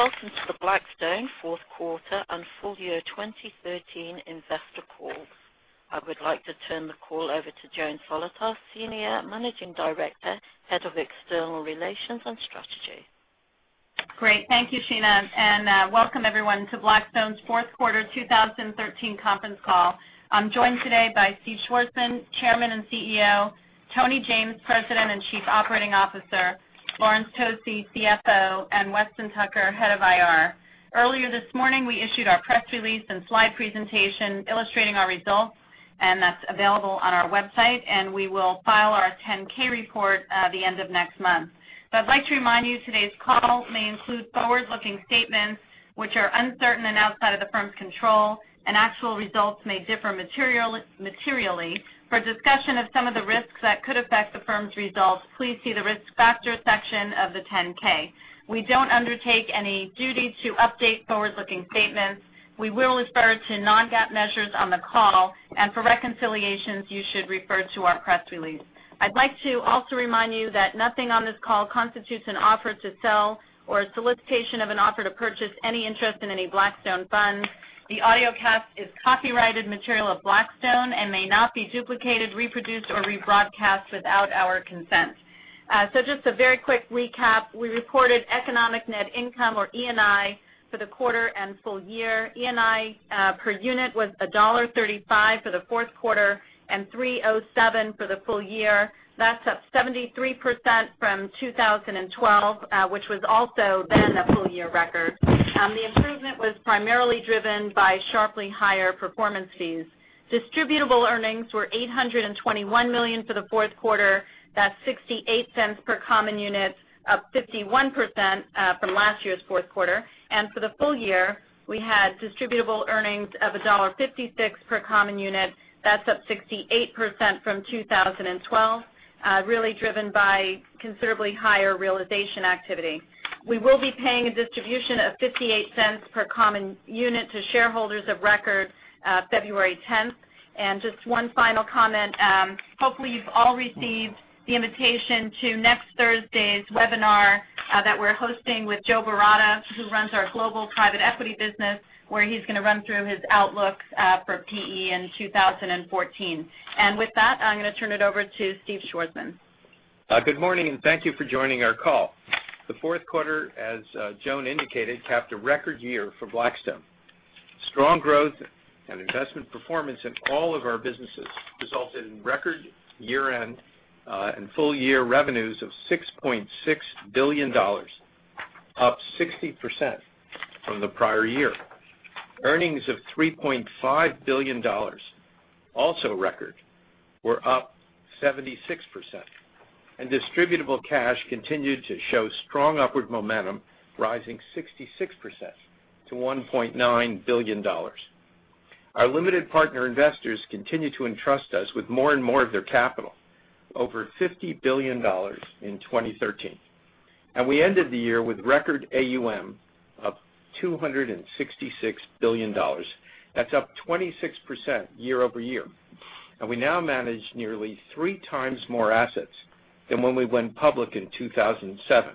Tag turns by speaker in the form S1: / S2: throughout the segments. S1: Welcome to the Blackstone fourth quarter and full year 2013 investor call. I would like to turn the call over to Joan Solotar, Senior Managing Director, Head of External Relations and Strategy.
S2: Great. Thank you, Sheena, welcome everyone to Blackstone's fourth quarter 2013 conference call. I'm joined today by Steve Schwarzman, Chairman and CEO, Tony James, President and Chief Operating Officer, Laurence Tosi, CFO, Weston Tucker, Head of IR. Earlier this morning, we issued our press release and slide presentation illustrating our results, that's available on our website, we will file our 10-K report at the end of next month. I'd like to remind you today's call may include forward-looking statements which are uncertain and outside of the firm's control, actual results may differ materially. For a discussion of some of the risks that could affect the firm's results, please see the risk factors section of the 10-K. We don't undertake any duty to update forward-looking statements. We will refer to non-GAAP measures on the call, for reconciliations, you should refer to our press release. I'd like to also remind you that nothing on this call constitutes an offer to sell or a solicitation of an offer to purchase any interest in any Blackstone funds. The audiocast is copyrighted material of Blackstone and may not be duplicated, reproduced, or rebroadcast without our consent. Just a very quick recap. We reported economic net income, or ENI, for the quarter and full year. ENI per unit was $1.35 for the fourth quarter $3.07 for the full year. That's up 73% from 2012, which was also then a full year record. The improvement was primarily driven by sharply higher performance fees. Distributable earnings were $821 million for the fourth quarter. That's $0.68 per common unit, up 51% from last year's fourth quarter. For the full year, we had distributable earnings of $1.56 per common unit. That's up 68% from 2012, really driven by considerably higher realization activity. We will be paying a distribution of $0.58 per common unit to shareholders of record February 10th. Just one final comment, hopefully you've all received the invitation to next Thursday's webinar that we're hosting with Joe Baratta, who runs our global private equity business, where he's going to run through his outlook for PE in 2014. With that, I'm going to turn it over to Steve Schwarzman.
S3: Good morning, and thank you for joining our call. The fourth quarter, as Joan indicated, capped a record year for Blackstone. Strong growth and investment performance in all of our businesses resulted in record year-end and full-year revenues of $6.6 billion, up 60% from the prior year. Earnings of $3.5 billion, also a record, were up 76%, and distributable cash continued to show strong upward momentum, rising 66% to $1.9 billion. Our limited partner investors continue to entrust us with more and more of their capital, over $50 billion in 2013. We ended the year with record AUM of $266 billion. That's up 26% year-over-year. We now manage nearly three times more assets than when we went public in 2007,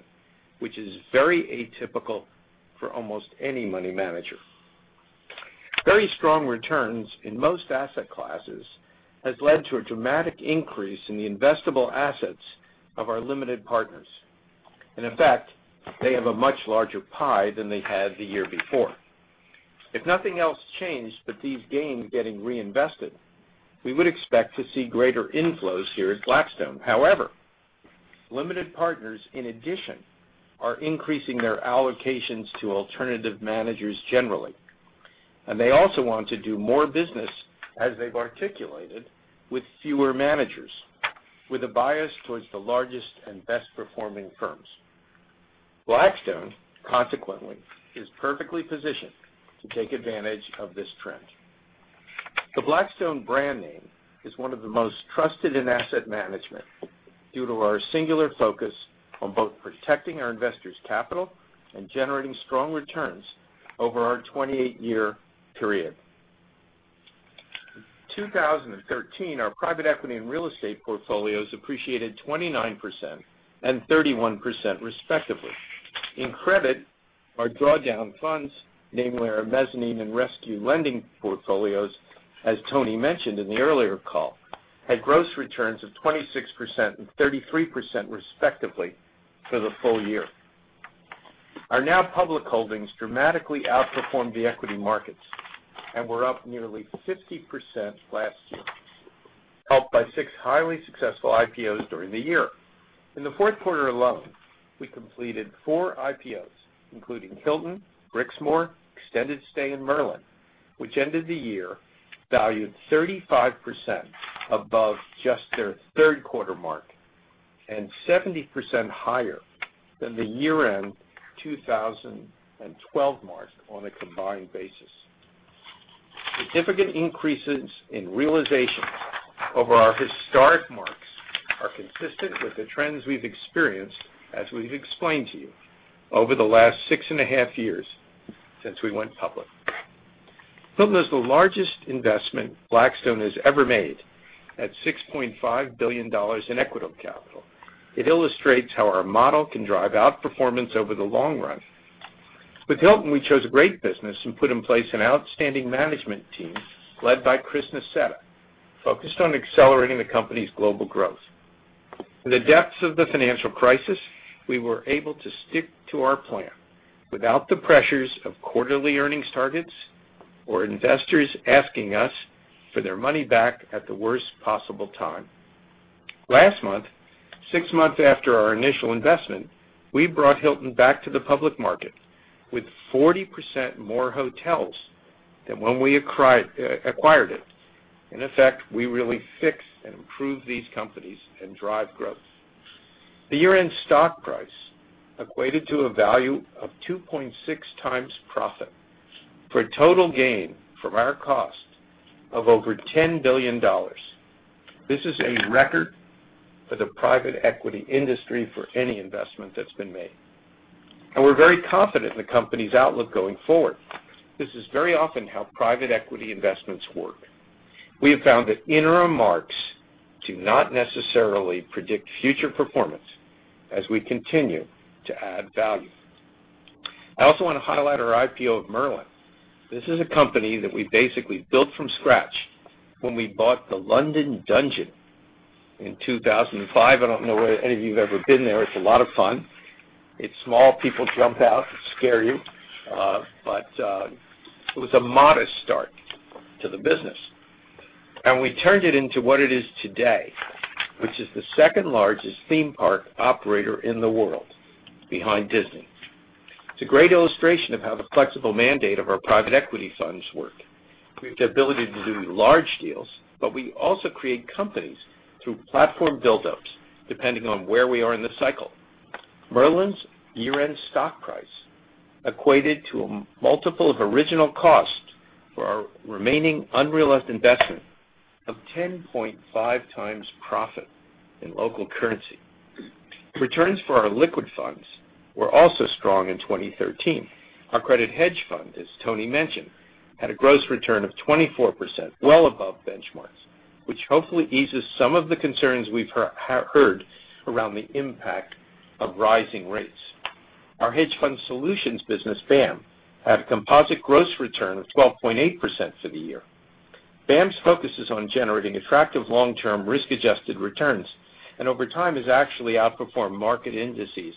S3: which is very atypical for almost any money manager. Very strong returns in most asset classes has led to a dramatic increase in the investable assets of our limited partners. In fact, they have a much larger pie than they had the year before. If nothing else changed but these gains getting reinvested, we would expect to see greater inflows here at Blackstone. However, limited partners, in addition, are increasing their allocations to alternative managers generally. They also want to do more business, as they've articulated, with fewer managers, with a bias towards the largest and best-performing firms. Blackstone, consequently, is perfectly positioned to take advantage of this trend. The Blackstone brand name is one of the most trusted in asset management due to our singular focus on both protecting our investors' capital and generating strong returns over our 28-year period. In 2013, our private equity and real estate portfolios appreciated 29% and 31% respectively. In credit, our drawdown funds, namely our mezzanine and rescue lending portfolios, as Tony mentioned in the earlier call, had gross returns of 26% and 33% respectively for the full year. Our now public holdings dramatically outperformed the equity markets and were up nearly 50% last year, helped by six highly successful IPOs during the year. In the fourth quarter alone, we completed four IPOs, including Hilton, Brixmor, Extended Stay, and Merlin, which ended the year valued 35% above just their third quarter mark and 70% higher than the year-end 2012 mark on a combined basis. Significant increases in realization over our historic marks are consistent with the trends we've experienced, as we've explained to you, over the last six and a half years since we went public. Hilton is the largest investment Blackstone has ever made at $6.5 billion in equity capital. It illustrates how our model can drive outperformance over the long run. With Hilton, we chose a great business and put in place an outstanding management team led by Chris Nassetta, focused on accelerating the company's global growth. In the depths of the financial crisis, we were able to stick to our plan without the pressures of quarterly earnings targets or investors asking us for their money back at the worst possible time. Last month, six months after our initial investment, we brought Hilton back to the public market with 40% more hotels than when we acquired it. In effect, we really fixed and improved these companies and drive growth. The year-end stock price equated to a value of 2.6 times profit for a total gain from our cost of over $10 billion. This is a record for the private equity industry for any investment that's been made. We're very confident in the company's outlook going forward. This is very often how private equity investments work. We have found that interim marks do not necessarily predict future performance as we continue to add value. I also want to highlight our IPO of Merlin. This is a company that we basically built from scratch when we bought the London Dungeon in 2005. I don't know if any of you have ever been there. It's a lot of fun. It's small, people jump out and scare you. It was a modest start to the business. We turned it into what it is today, which is the second-largest theme park operator in the world, behind Disney. It's a great illustration of how the flexible mandate of our private equity funds work. We have the ability to do large deals, we also create companies through platform buildups depending on where we are in the cycle. Merlin's year-end stock price equated to a multiple of original cost for our remaining unrealized investment of 10.5 times profit in local currency. Returns for our liquid funds were also strong in 2013. Our credit hedge fund, as Tony mentioned, had a gross return of 24%, well above benchmarks, which hopefully eases some of the concerns we've heard around the impact of rising rates. Our hedge fund solutions business, BAAM, had a composite gross return of 12.8% for the year. BAAM's focus is on generating attractive long-term risk-adjusted returns, and over time has actually outperformed market indices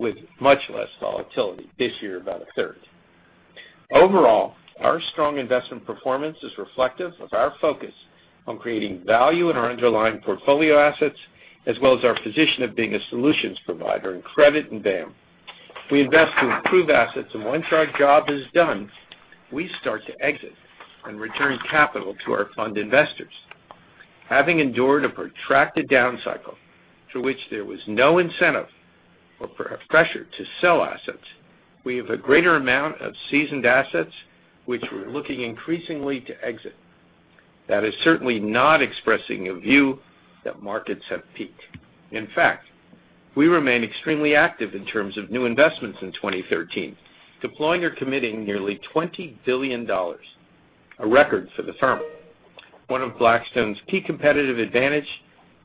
S3: with much less volatility. This year, about a third. Overall, our strong investment performance is reflective of our focus on creating value in our underlying portfolio assets, as well as our position of being a solutions provider in credit and BAAM. We invest to improve assets, and once our job is done, we start to exit and return capital to our fund investors. Having endured a protracted down cycle to which there was no incentive or pressure to sell assets, we have a greater amount of seasoned assets which we're looking increasingly to exit. That is certainly not expressing a view that markets have peaked. In fact, we remained extremely active in terms of new investments in 2013, deploying or committing nearly $20 billion. A record for the firm. One of Blackstone's key competitive advantage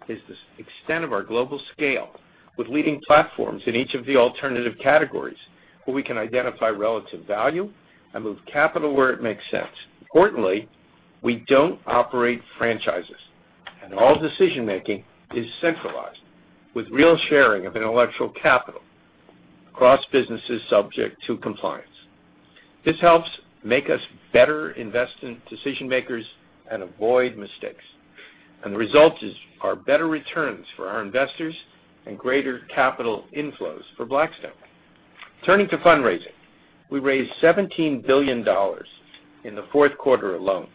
S3: is the extent of our global scale with leading platforms in each of the alternative categories, where we can identify relative value and move capital where it makes sense. Importantly, we don't operate franchises, all decision-making is centralized with real sharing of intellectual capital across businesses subject to compliance. This helps make us better investment decision makers and avoid mistakes, the result is our better returns for our investors and greater capital inflows for Blackstone. Turning to fundraising. We raised $17 billion in the fourth quarter alone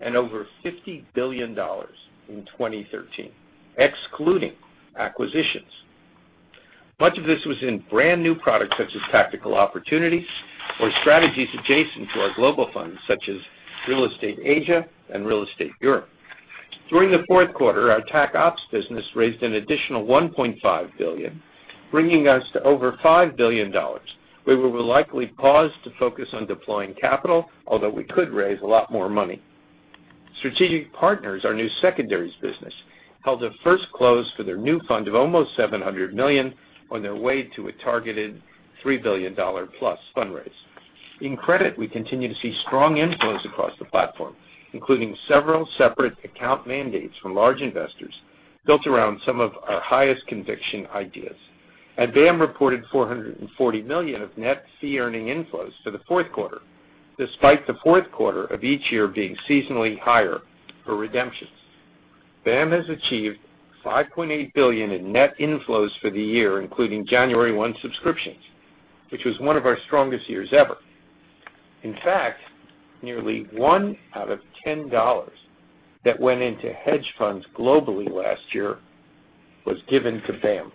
S3: and over $50 billion in 2013, excluding acquisitions. Much of this was in brand-new products such as Tactical Opportunities or strategies adjacent to our global funds such as Real Estate Asia and Real Estate Europe. During the fourth quarter, our TacOps business raised an additional $1.5 billion, bringing us to over $5 billion, where we will likely pause to focus on deploying capital, although we could raise a lot more money. Strategic Partners, our new secondaries business, held a first close for their new fund of almost $700 million on their way to a targeted $3 billion-plus fundraise. In credit, we continue to see strong inflows across the platform, including several separate account mandates from large investors built around some of our highest conviction ideas. BAAM reported $440 million of net fee-earning inflows for the fourth quarter, despite the fourth quarter of each year being seasonally higher for redemptions. BAAM has achieved $5.8 billion in net inflows for the year, including January 1 subscriptions, which was one of our strongest years ever. In fact, nearly one out of $10 that went into hedge funds globally last year was given to BAAM.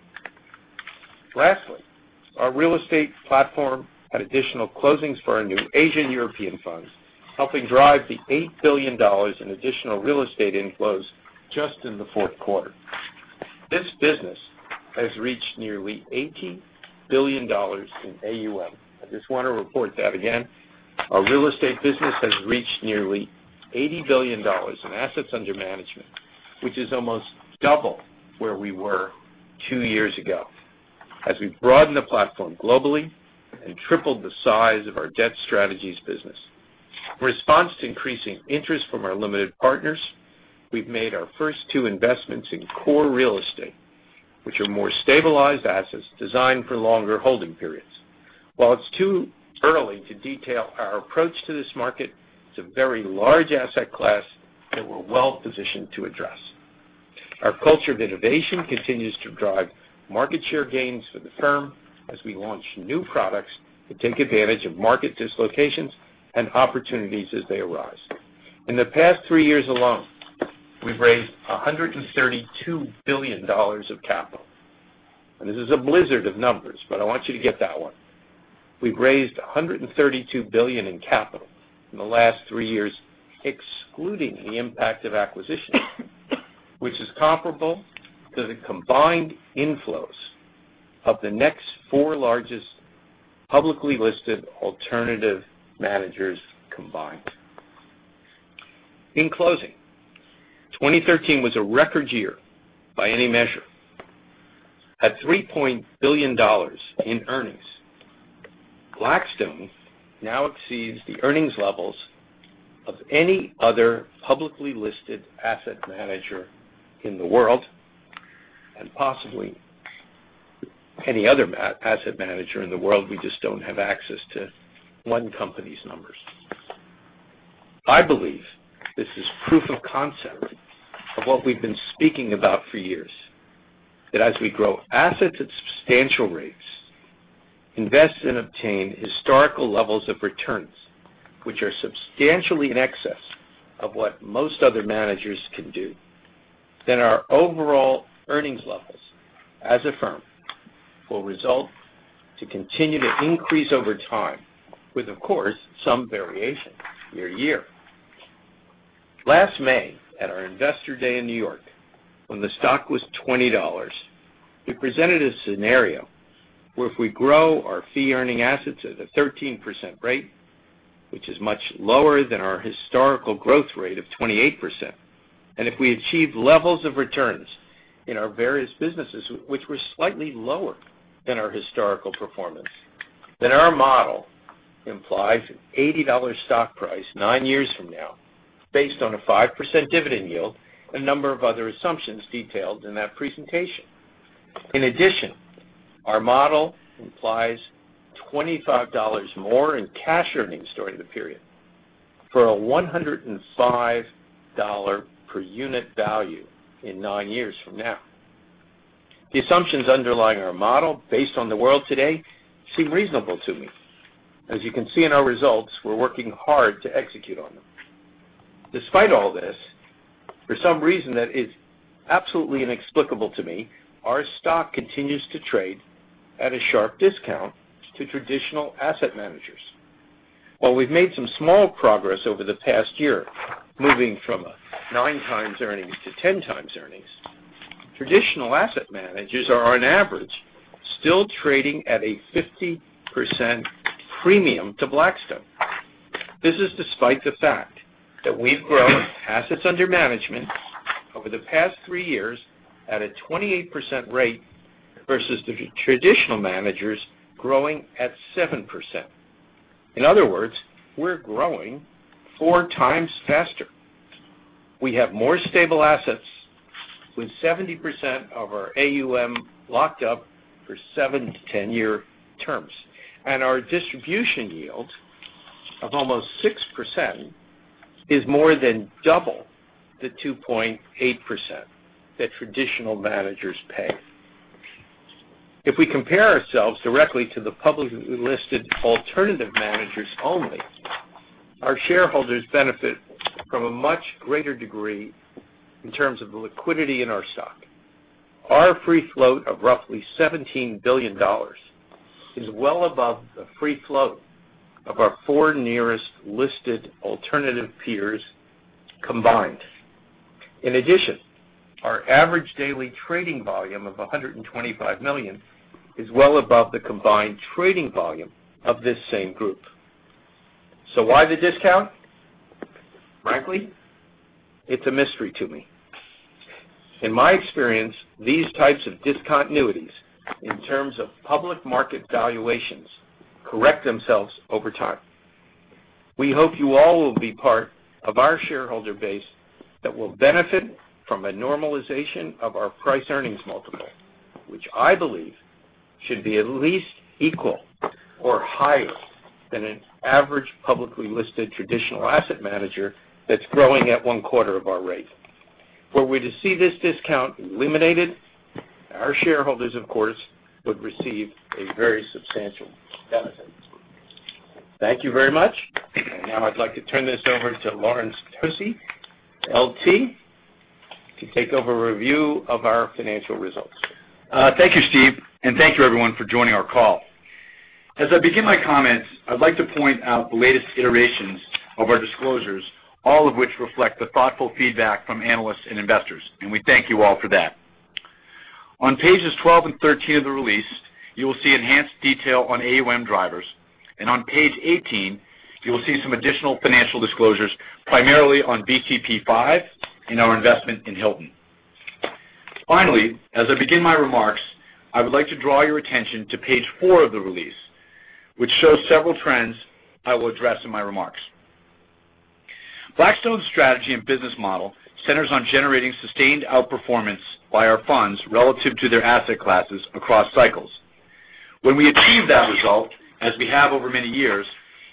S3: Lastly, our real estate platform had additional closings for our new Asian European funds, helping drive the $8 billion in additional real estate inflows just in the fourth quarter. This business has reached nearly $80 billion in AUM. I just want to report that again. Our real estate business has reached nearly $80 billion in assets under management, which is almost double where we were two years ago, as we broaden the platform globally and tripled the size of our debt strategies business. In response to increasing interest from our limited partners, we've made our first two investments in core real estate, which are more stabilized assets designed for longer holding periods. While it's too early to detail our approach to this market, it's a very large asset class that we're well-positioned to address. Our culture of innovation continues to drive market share gains for the firm as we launch new products that take advantage of market dislocations and opportunities as they arise. In the past three years alone, we've raised $132 billion of capital. This is a blizzard of numbers, but I want you to get that one. We've raised $132 billion in capital in the last three years, excluding the impact of acquisitions, which is comparable to the combined inflows of the next four largest publicly listed alternative managers combined. In closing, 2013 was a record year by any measure. At $3 billion in earnings, Blackstone now exceeds the earnings levels of any other publicly listed asset manager in the world, and possibly any other asset manager in the world. We just don't have access to one company's numbers. I believe this is proof of concept of what we've been speaking about for years, that as we grow assets at substantial rates, invest and obtain historical levels of returns, which are substantially in excess of what most other managers can do, then our overall earnings levels as a firm will result to continue to increase over time with, of course, some variation year-to-year. Last May, at our Investor Day in New York, when the stock was $20, we presented a scenario where if we grow our fee-earning assets at a 13% rate, which is much lower than our historical growth rate of 28%, and if we achieve levels of returns in our various businesses, which were slightly lower than our historical performance, then our model implies an $80 stock price nine years from now based on a 5% dividend yield and a number of other assumptions detailed in that presentation. In addition, our model implies $25 more in cash earnings during the period for a $105 per unit value in nine years from now. The assumptions underlying our model based on the world today seem reasonable to me. As you can see in our results, we're working hard to execute on them. Despite all this, for some reason that is absolutely inexplicable to me, our stock continues to trade at a sharp discount to traditional asset managers. While we've made some small progress over the past year, moving from a 9x earnings to 10x earnings, traditional asset managers are on average still trading at a 50% premium to Blackstone. This is despite the fact that we've grown assets under management over the past 3 years at a 28% rate versus the traditional managers growing at 7%. In other words, we're growing 4 times faster. We have more stable assets with 70% of our AUM locked up for 7 to 10-year terms. Our distribution yield of almost 6% is more than double the 2.8% that traditional managers pay. If we compare ourselves directly to the publicly listed alternative managers only, our shareholders benefit from a much greater degree in terms of the liquidity in our stock. Our free float of roughly $17 billion is well above the free float of our 4 nearest listed alternative peers combined. In addition, our average daily trading volume of $125 million is well above the combined trading volume of this same group. Why the discount? Frankly, it's a mystery to me. In my experience, these types of discontinuities in terms of public market valuations correct themselves over time. We hope you all will be part of our shareholder base that will benefit from a normalization of our price earnings multiple, which I believe should be at least equal or higher than an average publicly listed traditional asset manager that's growing at one-quarter of our rate. Were we to see this discount eliminated, our shareholders, of course, would receive a very substantial benefit. Thank you very much. Now I'd like to turn this over to Laurence Tosi, LT, to take over review of our financial results.
S4: Thank you, Steve. Thank you everyone for joining our call. As I begin my comments, I'd like to point out the latest iterations of our disclosures, all of which reflect the thoughtful feedback from analysts and investors, and we thank you all for that. On pages 12 and 13 of the release, you will see enhanced detail on AUM drivers, and on page 18, you will see some additional financial disclosures, primarily on BCP-5 and our investment in Hilton. As I begin my remarks, I would like to draw your attention to page four of the release, which shows several trends I will address in my remarks. Blackstone's strategy and business model centers on generating sustained outperformance by our funds relative to their asset classes across cycles. When we achieve that result, as we have over many years,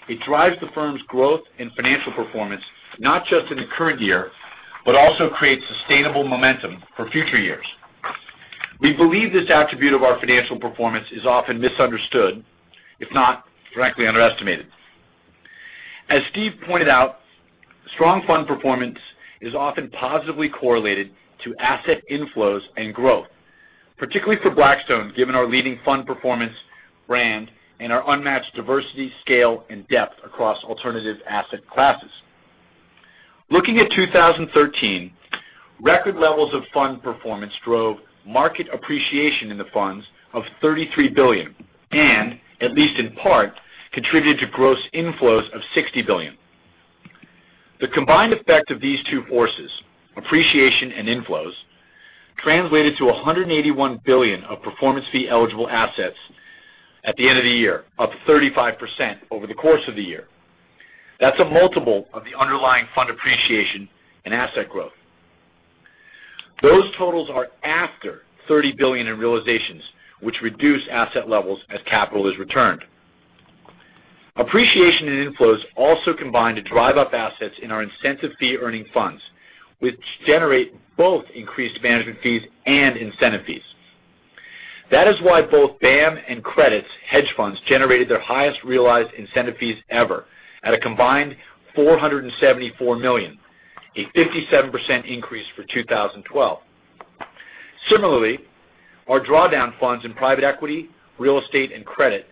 S4: it drives the firm's growth and financial performance, not just in the current year, but also creates sustainable momentum for future years. We believe this attribute of our financial performance is often misunderstood, if not directly underestimated. As Steve pointed out, strong fund performance is often positively correlated to asset inflows and growth, particularly for Blackstone, given our leading fund performance brand and our unmatched diversity, scale and depth across alternative asset classes. Looking at 2013, record levels of fund performance drove market appreciation in the funds of $33 billion. At least in part, contributed to gross inflows of $60 billion. The combined effect of these two forces, appreciation and inflows, translated to $181 billion of performance fee eligible assets at the end of the year, up 35% over the course of the year. That's a multiple of the underlying fund appreciation and asset growth. Those totals are after $30 billion in realizations, which reduce asset levels as capital is returned. Appreciation and inflows also combine to drive up assets in our incentive fee earning funds, which generate both increased management fees and incentive fees. That is why both BAAM and Credit's hedge funds generated their highest realized incentive fees ever at a combined $474 million, a 57% increase for 2012. Similarly, our drawdown funds in private equity, real estate, and credit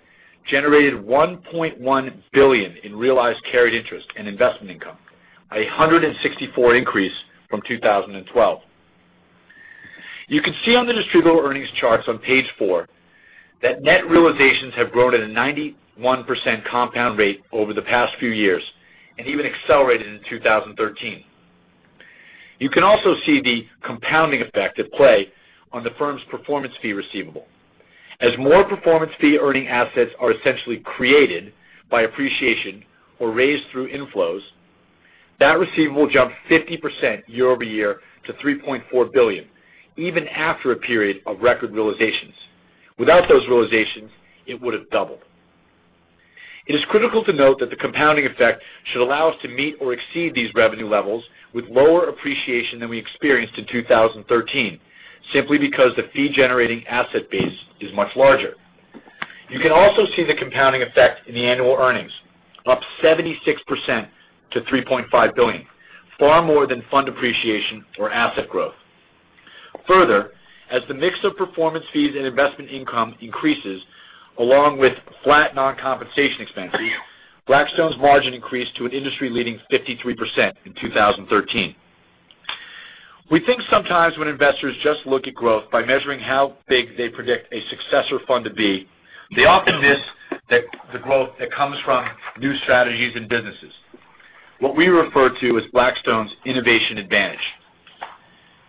S4: generated $1.1 billion in realized carried interest and investment income, a 164% increase from 2012. You can see on the distributable earnings charts on page four that net realizations have grown at a 91% compound rate over the past few years, and even accelerated in 2013. You can also see the compounding effect at play on the firm's performance fee receivable. As more performance fee earning assets are essentially created by appreciation or raised through inflows, that receivable jumped 50% year-over-year to $3.4 billion even after a period of record realizations. Without those realizations, it would have doubled. It is critical to note that the compounding effect should allow us to meet or exceed these revenue levels with lower appreciation than we experienced in 2013, simply because the fee generating asset base is much larger. You can also see the compounding effect in the annual earnings, up 76% to $3.5 billion, far more than fund appreciation or asset growth. Further, as the mix of performance fees and investment income increases, along with flat non-compensation expenses, Blackstone's margin increased to an industry leading 53% in 2013. We think sometimes when investors just look at growth by measuring how big they predict a successor fund to be, they often miss the growth that comes from new strategies and businesses, what we refer to as Blackstone's innovation advantage.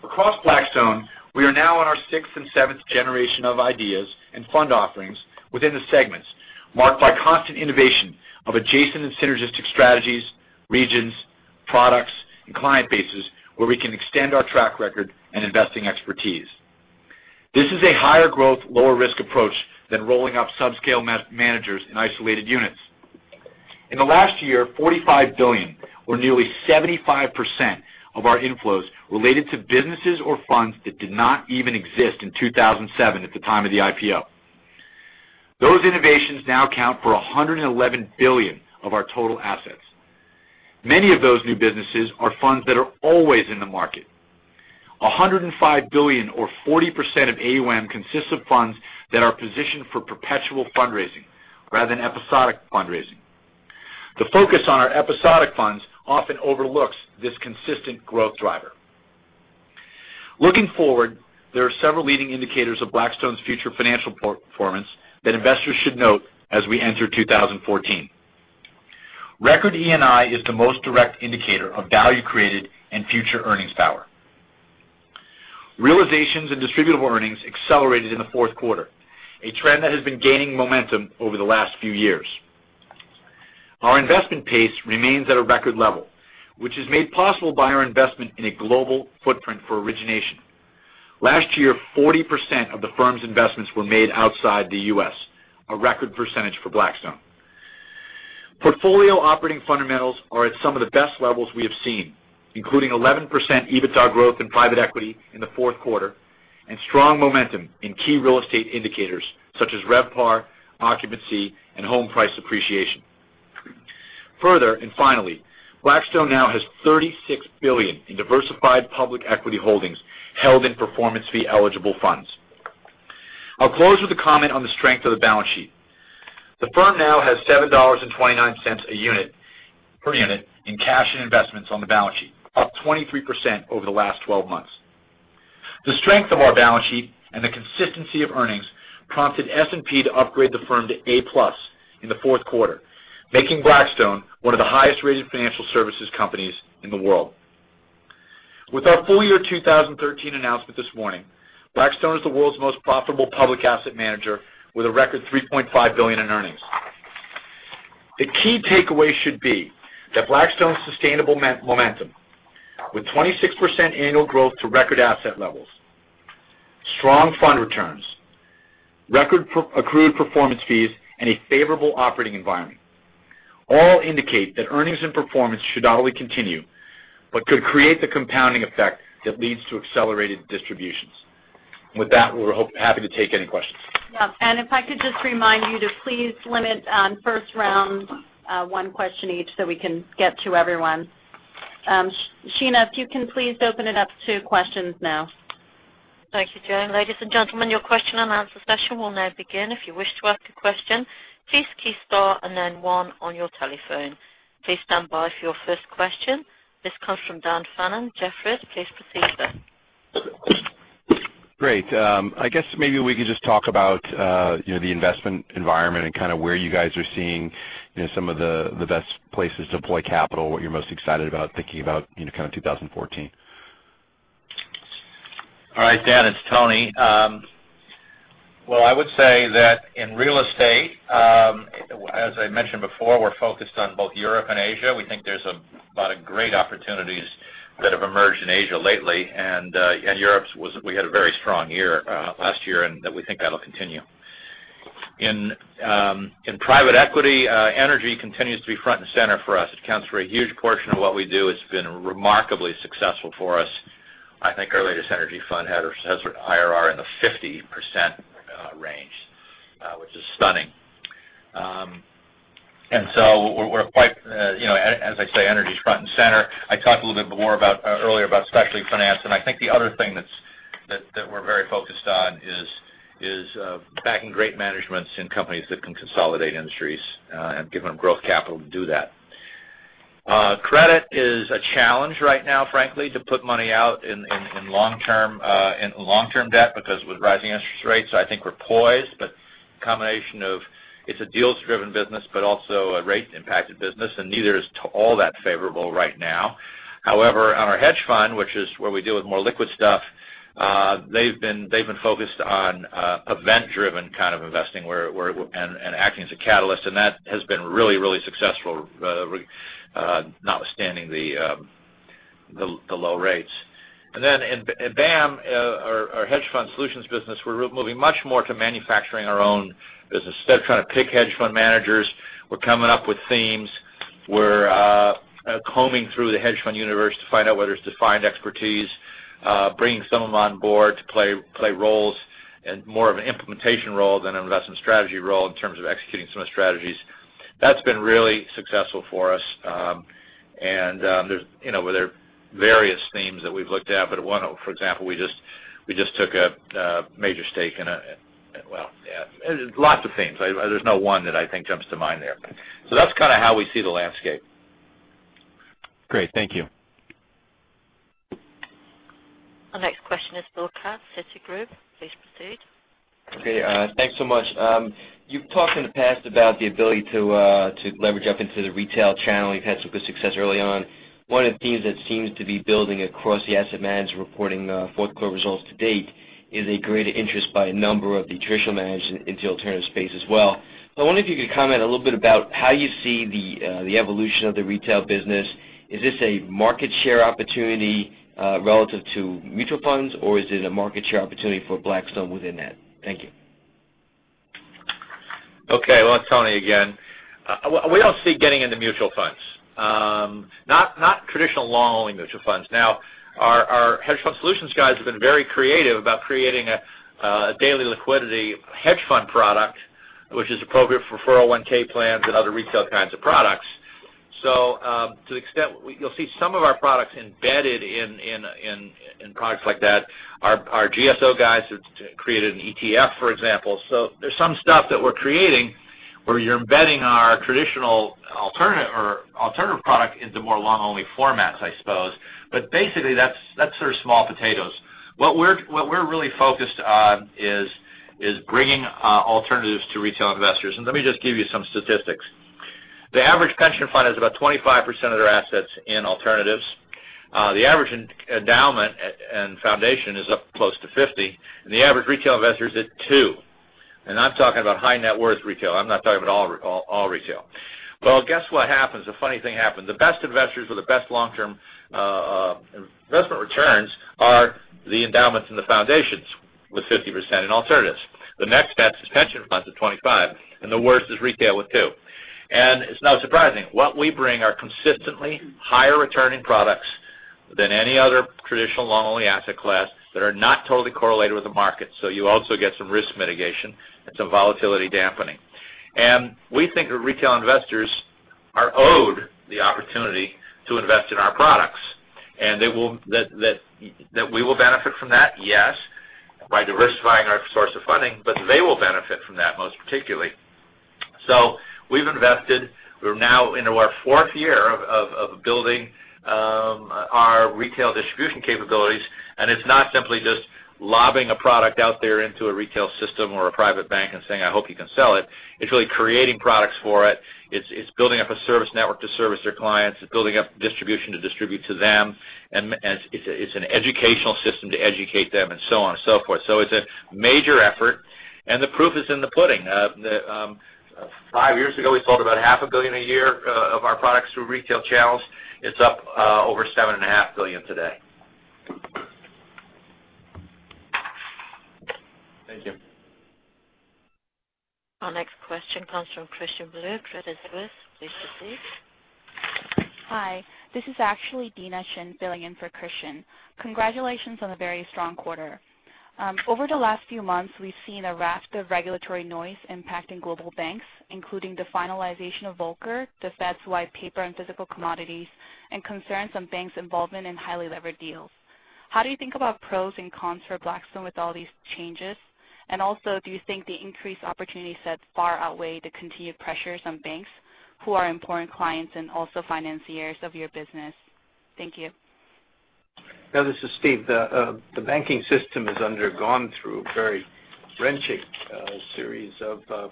S4: Across Blackstone, we are now in our sixth and seventh generation of ideas and fund offerings within the segments marked by constant innovation of adjacent and synergistic strategies, regions, products, and client bases where we can extend our track record and investing expertise. This is a higher growth, lower risk approach than rolling up subscale managers in isolated units. In the last year, $45 billion or nearly 75% of our inflows related to businesses or funds that did not even exist in 2007 at the time of the IPO. Those innovations now account for $111 billion of our total assets. Many of those new businesses are funds that are always in the market. $105 billion or 40% of AUM consists of funds that are positioned for perpetual fundraising rather than episodic fundraising. The focus on our episodic funds often overlooks this consistent growth driver. Looking forward, there are several leading indicators of Blackstone's future financial performance that investors should note as we enter 2014. Record ENI is the most direct indicator of value created and future earnings power. Realizations and distributable earnings accelerated in the fourth quarter, a trend that has been gaining momentum over the last few years. Our investment pace remains at a record level, which is made possible by our investment in a global footprint for origination. Last year, 40% of the firm's investments were made outside the U.S., a record percentage for Blackstone. Portfolio operating fundamentals are at some of the best levels we have seen, including 11% EBITDA growth in private equity in the fourth quarter, and strong momentum in key real estate indicators such as RevPAR, occupancy, and home price appreciation. Further, finally, Blackstone now has $36 billion in diversified public equity holdings held in performance fee eligible funds. I'll close with a comment on the strength of the balance sheet. The firm now has $7.29 per unit in cash and investments on the balance sheet, up 23% over the last 12 months. The strength of our balance sheet and the consistency of earnings prompted S&P to upgrade the firm to A-plus in the fourth quarter, making Blackstone one of the highest-rated financial services companies in the world. With our full year 2013 announcement this morning, Blackstone is the world's most profitable public asset manager with a record $3.5 billion in earnings. The key takeaway should be that Blackstone's sustainable momentum with 26% annual growth to record asset levels, strong fund returns, record accrued performance fees, and a favorable operating environment, all indicate that earnings and performance should not only continue but could create the compounding effect that leads to accelerated distributions. With that, we're happy to take any questions.
S5: Yeah. If I could just remind you to please limit on first round, one question each so we can get to everyone. Sheena, if you can please open it up to questions now.
S1: Thank you, Joan. Ladies and gentlemen, your question and answer session will now begin. If you wish to ask a question, please key star and then one on your telephone. Please stand by for your first question. This comes from Dan Fannon, Jefferies. Please proceed, sir.
S6: Great. I guess maybe we could just talk about the investment environment and where you guys are seeing some of the best places to deploy capital, what you're most excited about thinking about, kind of 2014.
S7: All right, Dan, it's Tony. Well, I would say that in real estate, as I mentioned before, we're focused on both Europe and Asia. We think there's a lot of great opportunities that have emerged in Asia lately. In Europe, we had a very strong year last year, and that we think that'll continue. In private equity, energy continues to be front and center for us. It accounts for a huge portion of what we do. It's been remarkably successful for us. I think our latest energy fund has IRR in the 50% range, which is stunning. As I say, energy's front and center. I talked a little bit more about earlier about specialty finance. I think the other thing that we're very focused on is backing great managements in companies that can consolidate industries, and giving them growth capital to do that. Credit is a challenge right now, frankly, to put money out in long-term debt because with rising interest rates, I think we're poised, combination of it's a deals driven business but also a rate impacted business, and neither is all that favorable right now. However, on our hedge fund, which is where we deal with more liquid stuff, they've been focused on event driven kind of investing and acting as a catalyst, and that has been really successful notwithstanding the low rates. In BAAM, our hedge fund solutions business, we're moving much more to manufacturing our own business. Instead of trying to pick hedge fund managers, we're coming up with themes.
S4: We're combing through the hedge fund universe to find out whether it's defined expertise, bringing some of them on board to play roles and more of an implementation role than an investment strategy role in terms of executing some of the strategies. That's been really successful for us. There are various themes that we've looked at, for example, we just took a major stake in a Well, yeah, lots of themes. There's no one that I think jumps to mind there. That's kind of how we see the landscape.
S6: Great. Thank you.
S1: Our next question is Bill Katz, Citigroup. Please proceed.
S8: Okay, thanks so much. You've talked in the past about the ability to leverage up into the retail channel. You've had some good success early on. One of the themes that seems to be building across the asset manager reporting fourth quarter results to date is a greater interest by a number of the traditional managers into alternative space as well. I wonder if you could comment a little bit about how you see the evolution of the retail business. Is this a market share opportunity, relative to mutual funds, or is it a market share opportunity for Blackstone within that? Thank you.
S7: Okay. Well, it's Tony again. We don't see getting into mutual funds. Not traditional long-only mutual funds. Our hedge fund solutions guys have been very creative about creating a daily liquidity hedge fund product, which is appropriate for 401 plans and other retail kinds of products. To the extent, you'll see some of our products embedded in products like that. Our GSO guys have created an ETF, for example. There's some stuff that we're creating where you're embedding our traditional alternative product into more long-only formats, I suppose. Basically, that's sort of small potatoes. What we're really focused on is bringing alternatives to retail investors. Let me just give you some statistics. The average pension fund has about 25% of their assets in alternatives. The average endowment and foundation is up close to 50%, and the average retail investor is at 2%. I'm talking about high net worth retail. I'm not talking about all retail. Guess what happens? A funny thing happens. The best investors with the best long-term investment returns are the endowments and the foundations with 50% in alternatives. The next best is pension funds at 25%, and the worst is retail with 2%. It's not surprising. What we bring are consistently higher returning products Than any other traditional long-only asset class that are not totally correlated with the market. You also get some risk mitigation and some volatility dampening. We think retail investors are owed the opportunity to invest in our products. That we will benefit from that, yes, by diversifying our source of funding, but they will benefit from that most particularly. We've invested, we're now into our fourth year of building our retail distribution capabilities, and it's not simply just lobbing a product out there into a retail system or a private bank and saying, "I hope you can sell it." It's really creating products for it. It's building up a service network to service their clients. It's building up distribution to distribute to them, and it's an educational system to educate them and so on and so forth. It's a major effort, and the proof is in the pudding. Five years ago, we sold about half a billion a year of our products through retail channels. It's up over seven and a half billion today.
S8: Thank you.
S1: Our next question comes from Christian Bolu, Credit Suisse. Please proceed.
S9: Hi, this is actually Dina Shin filling in for Christian. Congratulations on a very strong quarter. Over the last few months, we've seen a raft of regulatory noise impacting global banks, including the finalization of Volcker, the Fed's white paper and physical commodities, and concerns on banks' involvement in highly levered deals. How do you think about pros and cons for Blackstone with all these changes? Also, do you think the increased opportunity sets far outweigh the continued pressures on banks who are important clients and also financiers of your business? Thank you.
S3: No, this is Steve. The banking system has undergone through a very wrenching series of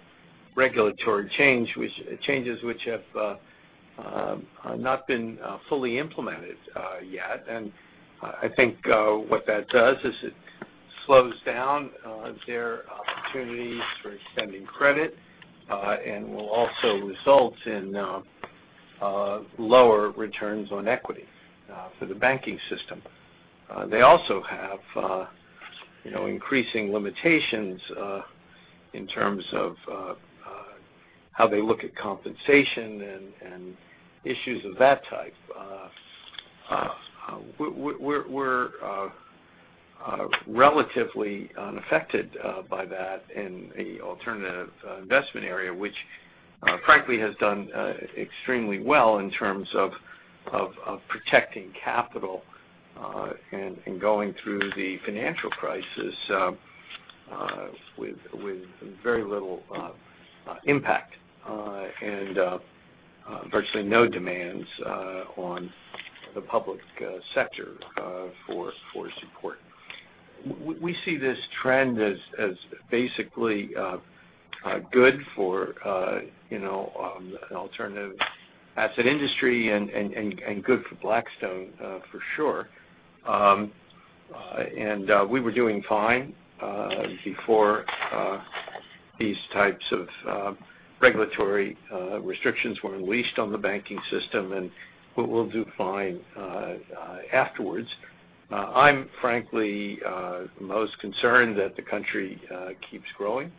S3: regulatory changes which have not been fully implemented yet. I think what that does is it slows down their opportunities for extending credit, and will also result in lower returns on equity for the banking system. They also have increasing limitations in terms of how they look at compensation and issues of that type. We're relatively unaffected by that in the alternative investment area, which frankly has done extremely well in terms of protecting capital, and going through the financial crisis with very little impact, and virtually no demands on the public sector for support. We see this trend as basically good for an alternative asset industry and good for Blackstone, for sure. We were doing fine before these types of regulatory restrictions were unleashed on the banking system, and we'll do fine afterwards. I'm frankly most concerned that the country keeps growing.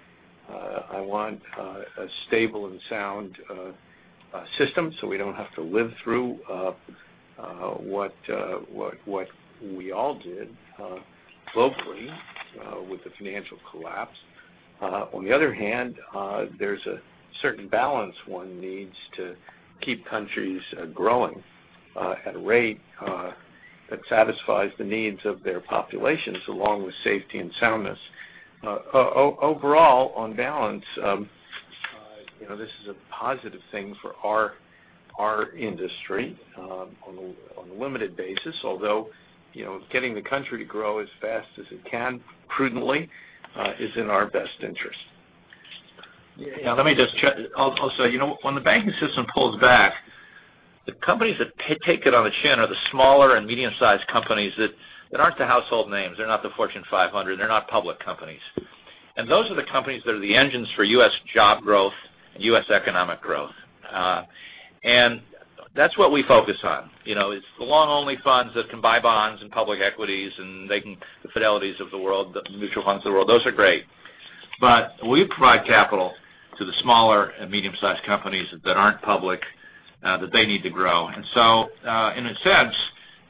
S3: I want a stable and sound system so we don't have to live through what we all did globally with the financial collapse. On the other hand, there's a certain balance one needs to keep countries growing at a rate that satisfies the needs of their populations, along with safety and soundness. Overall, on balance, this is a positive thing for our industry on a limited basis, although getting the country to grow as fast as it can prudently is in our best interest.
S7: Let me just check. I'll say, when the banking system pulls back, the companies that take it on the chin are the smaller and medium-sized companies that aren't the household names. They're not the Fortune 500. They're not public companies. Those are the companies that are the engines for U.S. job growth and U.S. economic growth. That's what we focus on. It's the loan-only funds that can buy bonds and public equities, and they can, the Fidelity of the world, the mutual funds of the world. Those are great. We provide capital to the smaller and medium-sized companies that aren't public, that they need to grow. In a sense,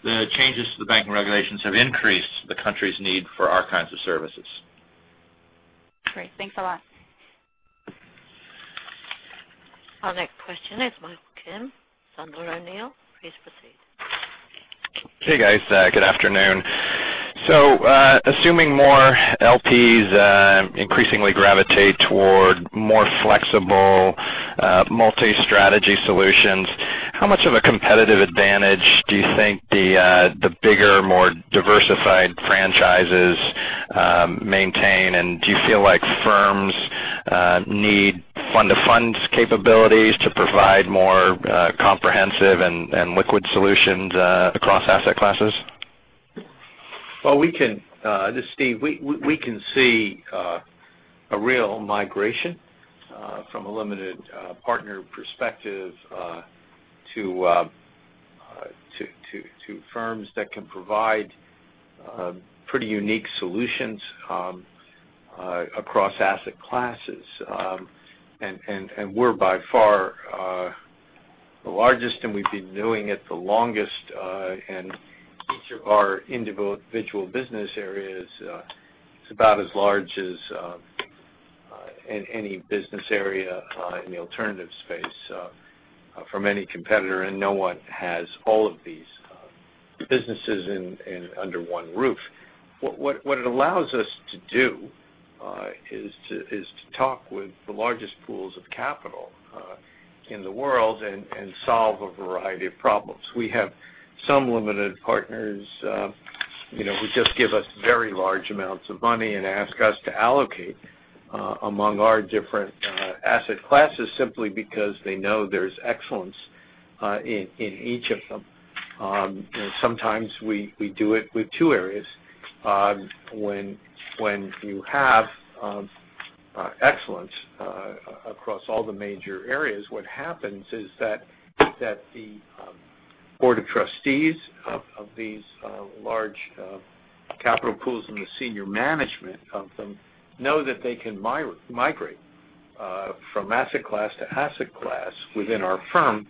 S7: the changes to the banking regulations have increased the country's need for our kinds of services.
S9: Great. Thanks a lot.
S1: Our next question is Michael Kim, Sandler O'Neill. Please proceed.
S10: Hey, guys. Good afternoon. Assuming more LPs increasingly gravitate toward more flexible multi-strategy solutions, how much of a competitive advantage do you think the bigger, more diversified franchises maintain? Do you feel like firms need fund-to-funds capabilities to provide more comprehensive and liquid solutions across asset classes?
S3: Well, this is Steve. We can see a real migration from a limited partner perspective to firms that can provide pretty unique solutions across asset classes. We're by far the largest, and we've been doing it the longest. Each of our individual business areas is about as large as any business area in the alternatives space from any competitor, and no one has all of these businesses under one roof. What it allows us to do is to talk with the largest pools of capital in the world and solve a variety of problems. We have some limited partners who just give us very large amounts of money and ask us to allocate among our different asset classes, simply because they know there's excellence in each of them. Sometimes we do it with two areas. When you have excellence across all the major areas, what happens is that the board of trustees of these large capital pools and the senior management of them know that they can migrate from asset class to asset class within our firm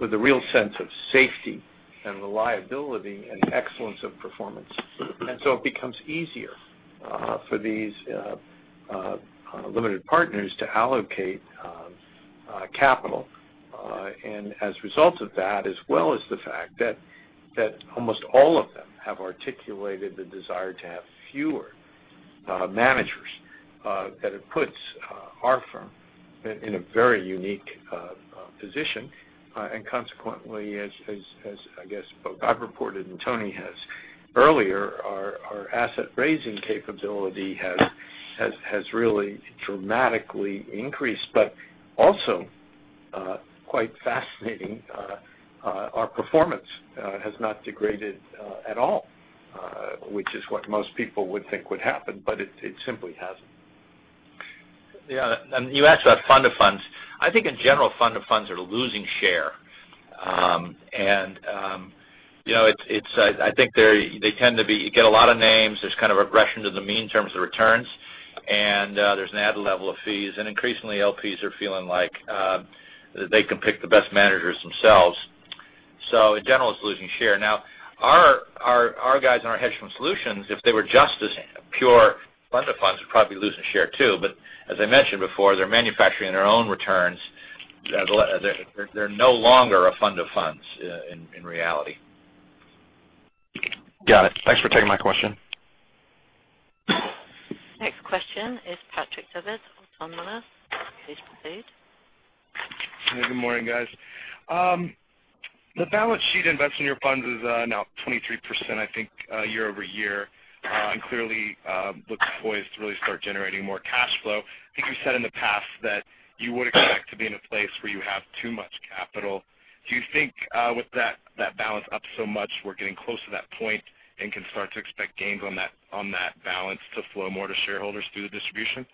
S3: with a real sense of safety and reliability and excellence of performance. So it becomes easier for these limited partners to allocate capital. As a result of that, as well as the fact that almost all of them have articulated the desire to have fewer managers, that it puts our firm in a very unique position. Consequently, as I guess I've reported and Tony has earlier, our asset-raising capability has really dramatically increased. Also, quite fascinating, our performance has not degraded at all, which is what most people would think would happen, but it simply hasn't.
S7: Yeah. You asked about fund of funds. I think in general, fund of funds are losing share. I think you get a lot of names. There's kind of a regression to the mean in terms of returns, and there's an added level of fees. Increasingly, LPs are feeling like they can pick the best managers themselves. In general, it's losing share. Now, our guys in our hedge fund solutions, if they were just as pure fund of funds, would probably be losing share too. As I mentioned before, they're manufacturing their own returns. They're no longer a fund of funds in reality.
S10: Got it. Thanks for taking my question.
S1: Next question is Patrick Davitt of Autonomous Research. Please proceed.
S11: Good morning, guys. The balance sheet invested in your funds is now 23%, I think, year-over-year, clearly looks poised to really start generating more cash flow. I think you said in the past that you would expect to be in a place where you have too much capital. Do you think with that balance up so much, we're getting close to that point and can start to expect gains on that balance to flow more to shareholders through the distribution?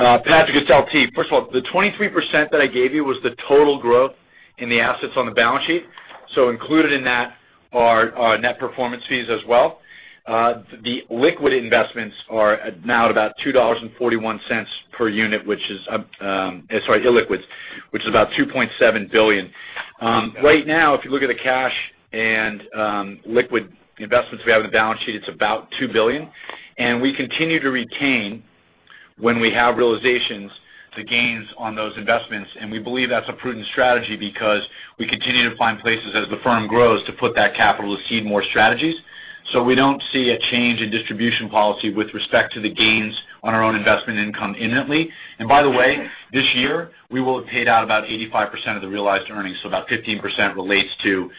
S4: Patrick, it's LT. First of all, the 23% that I gave you was the total growth in the assets on the balance sheet. Included in that are net performance fees as well. The liquid investments are now at about $2.41 per unit, illiquids, which is about $2.7 billion. Right now, if you look at the cash and liquid investments we have on the balance sheet, it's about $2 billion. We continue to retain when we have realizations, the gains on those investments. We believe that's a prudent strategy because we continue to find places as the firm grows to put that capital to seed more strategies. We don't see a change in distribution policy with respect to the gains on our own investment income imminently. By the way, this year, we will have paid out about 85% of the realized earnings. About 15% relates to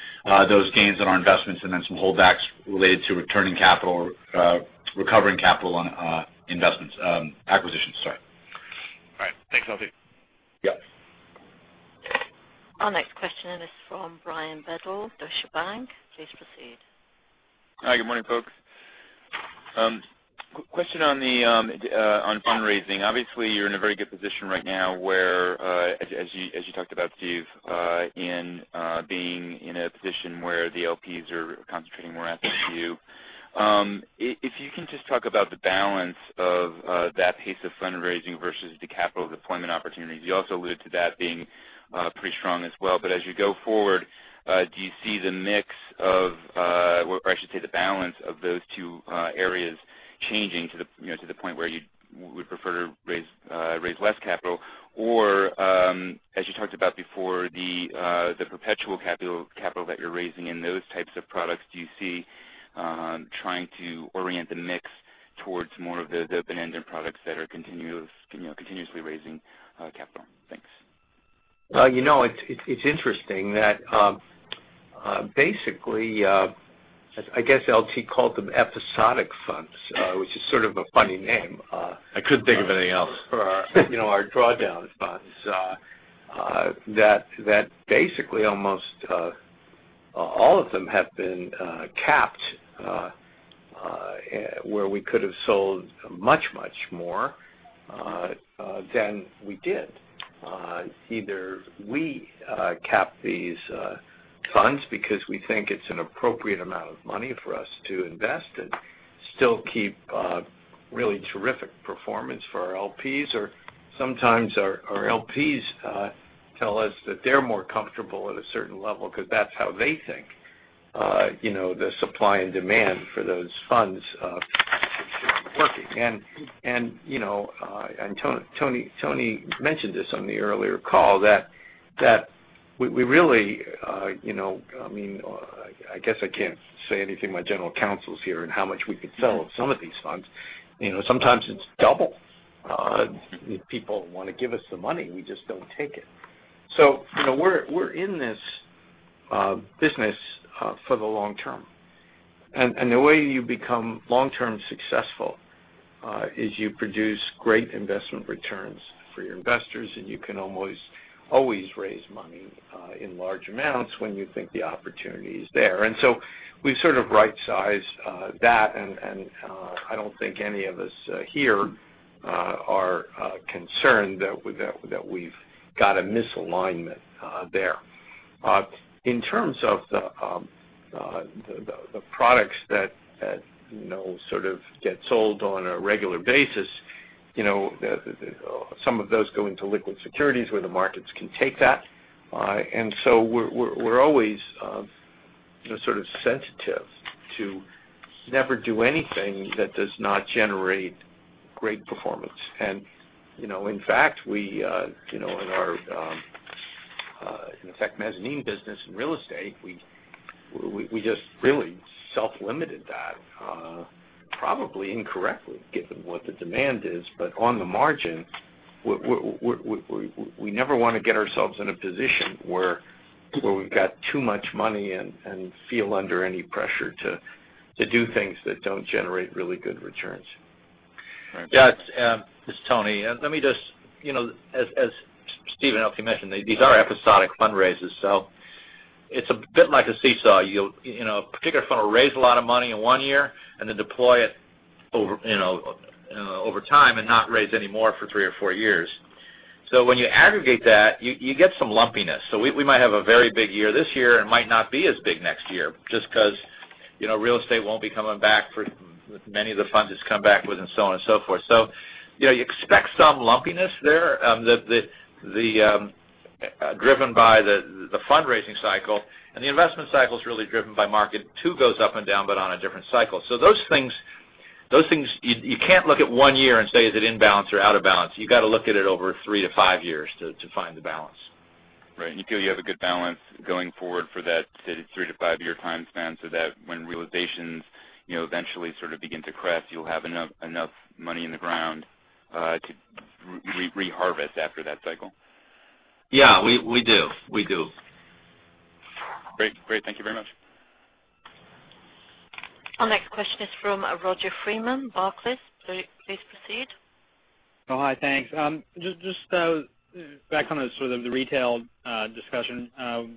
S4: those gains on our investments and then some holdbacks related to returning capital or recovering capital on investments, acquisitions, sorry.
S11: All right. Thanks, LT.
S4: Yep.
S1: Our next question is from Brian Bedell, Deutsche Bank. Please proceed.
S12: Hi, good morning, folks. Question on fundraising. Obviously, you're in a very good position right now where, as you talked about, Steve, in being in a position where the LPs are concentrating more assets to you. If you can just talk about the balance of that pace of fundraising versus the capital deployment opportunities. You also alluded to that being pretty strong as well. As you go forward, do you see the mix of, or I should say, the balance of those two areas changing to the point where you would prefer to raise less capital? Or, as you talked about before, the perpetual capital that you're raising in those types of products, do you see trying to orient the mix towards more of the open-ended products that are continuously raising capital? Thanks.
S3: It's interesting that basically, I guess LT called them episodic funds, which is sort of a funny name.
S4: I couldn't think of anything else.
S3: for our drawdown funds, that almost all of them have been capped, where we could have sold much more than we did. Either we cap these funds because we think it's an appropriate amount of money for us to invest and still keep really terrific performance for our LPs, or sometimes our LPs tell us that they're more comfortable at a certain level because that's how they think the supply and demand for those funds should be working. Tony mentioned this on the earlier call that we really, I guess I can't say anything, my general counsel's here, and how much we could sell of some of these funds. Sometimes it's double. People want to give us the money, we just don't take it. We're in this business for the long term, the way you become long-term successful is you produce great investment returns for your investors, you can almost always raise money in large amounts when you think the opportunity is there. We sort of right-size that, I don't think any of us here are concerned that we've got a misalignment there. In terms of the products that get sold on a regular basis, some of those go into liquid securities where the markets can take that. We're always sort of sensitive to never do anything that does not generate great performance. In fact, we, in our mezzanine business in real estate, we just really self-limited that, probably incorrectly, given what the demand is. On the margin, we never want to get ourselves in a position where we've got too much money and feel under any pressure to do things that don't generate really good returns.
S7: This is Tony. As Stephen mentioned, these are episodic fundraisers, it's a bit like a seesaw. A particular fund will raise a lot of money in one year and then deploy it over time and not raise any more for three or four years. When you aggregate that, you get some lumpiness. We might have a very big year this year and might not be as big next year just because real estate won't be coming back for many of the funds it's come back with and so on and so forth. You expect some lumpiness there, driven by the fundraising cycle, the investment cycle's really driven by market, too, goes up and down, but on a different cycle. Those things, you can't look at one year and say, is it in balance or out of balance? You got to look at it over three to five years to find the balance.
S12: Right. You feel you have a good balance going forward for that three to five-year time span so that when realizations eventually begin to crest, you'll have enough money in the ground to re-harvest after that cycle.
S7: Yeah, we do.
S12: Great. Thank you very much.
S1: Our next question is from Roger Freeman, Barclays. Please proceed.
S13: Hi, thanks. Just back on the retail discussion.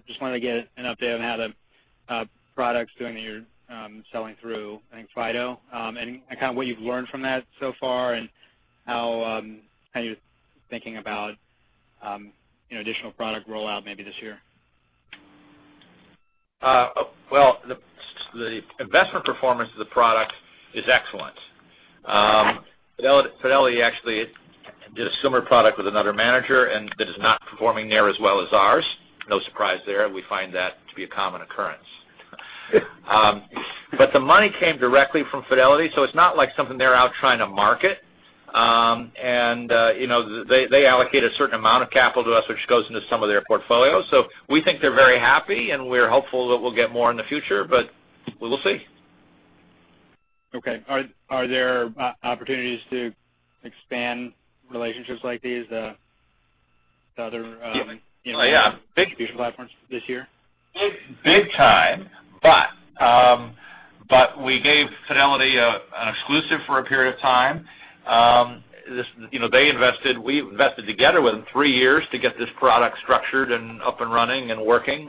S13: Just wanted to get an update on how the product's doing that you're selling through, I think, Fido, and kind of what you've learned from that so far, and how you're thinking about additional product rollout maybe this year.
S7: Well, the investment performance of the product is excellent. Fidelity actually did a similar product with another manager, and it is not performing near as well as ours. No surprise there. We find that to be a common occurrence. The money came directly from Fidelity, so it's not like something they're out trying to market. They allocate a certain amount of capital to us, which goes into some of their portfolios. We think they're very happy, and we're hopeful that we'll get more in the future, but we will see.
S13: Okay. Are there opportunities to expand relationships like these to other-
S7: Yeah.
S13: -distribution platforms this year?
S7: Big time. We gave Fidelity an exclusive for a period of time. They invested. We invested together with them three years to get this product structured and up and running and working.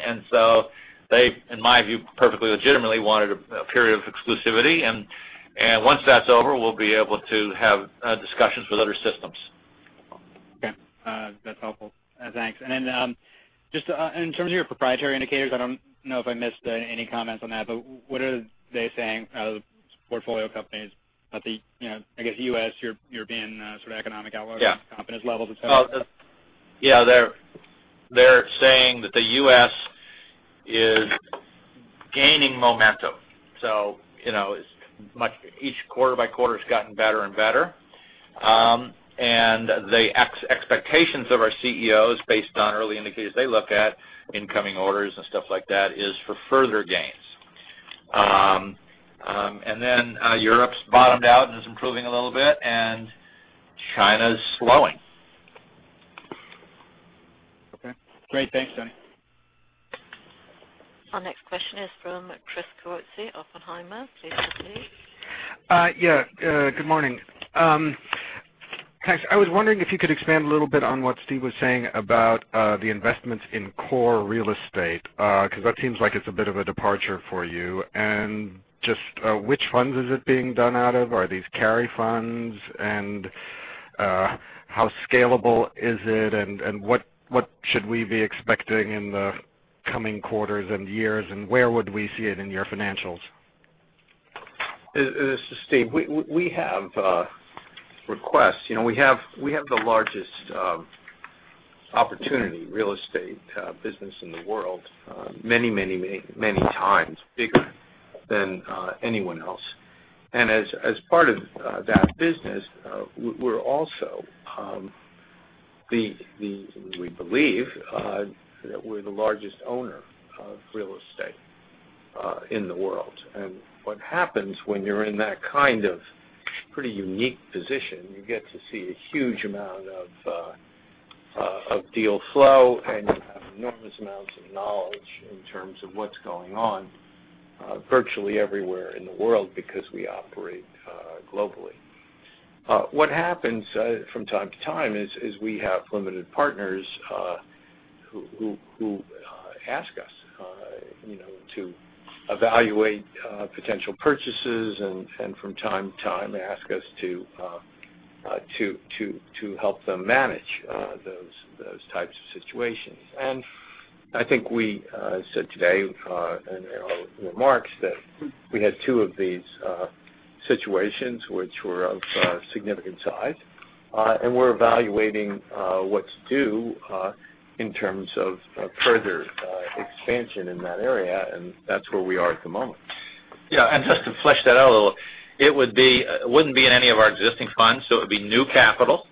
S7: They, in my view, perfectly legitimately wanted a period of exclusivity, and once that's over, we'll be able to have discussions with other systems.
S13: Okay. That's helpful. Thanks. Just in terms of your proprietary indicators, I don't know if I missed any comments on that, but what are they saying, the portfolio companies, about the, I guess, U.S., European economic outlook-
S7: Yeah
S13: confidence levels and so on?
S7: Yeah. They're saying that the U.S. is gaining momentum. Each quarter by quarter, it's gotten better and better. The expectations of our CEOs, based on early indicators they look at, incoming orders and stuff like that, is for further gains. Europe's bottomed out and is improving a little bit, and China's slowing.
S13: Okay, great. Thanks, Tony.
S1: Our next question is from Chris Kotowski, Oppenheimer. Please proceed.
S14: Yeah. Good morning. Thanks. I was wondering if you could expand a little bit on what Steve was saying about the investments in core real estate. That seems like it's a bit of a departure for you. Which funds is it being done out of? Are these carry funds? How scalable is it? What should we be expecting in the coming quarters and years? Where would we see it in your financials?
S3: This is Steve. We have requests. We have the largest opportunity real estate business in the world, many times bigger than anyone else. As part of that business, we're also, we believe that we're the largest owner of real estate in the world. What happens when you're in that kind of pretty unique position, you get to see a huge amount of deal flow, and you have enormous amounts of knowledge in terms of what's going on virtually everywhere in the world, because we operate globally. What happens from time to time is we have limited partners who ask us to evaluate potential purchases, and from time to time, ask us to help them manage those types of situations. I think we said today in our remarks that we had two of these situations which were of significant size, and we're evaluating what to do in terms of further expansion in that area, and that's where we are at the moment.
S7: Just to flesh that out a little, it wouldn't be in any of our existing funds, so it would be new capital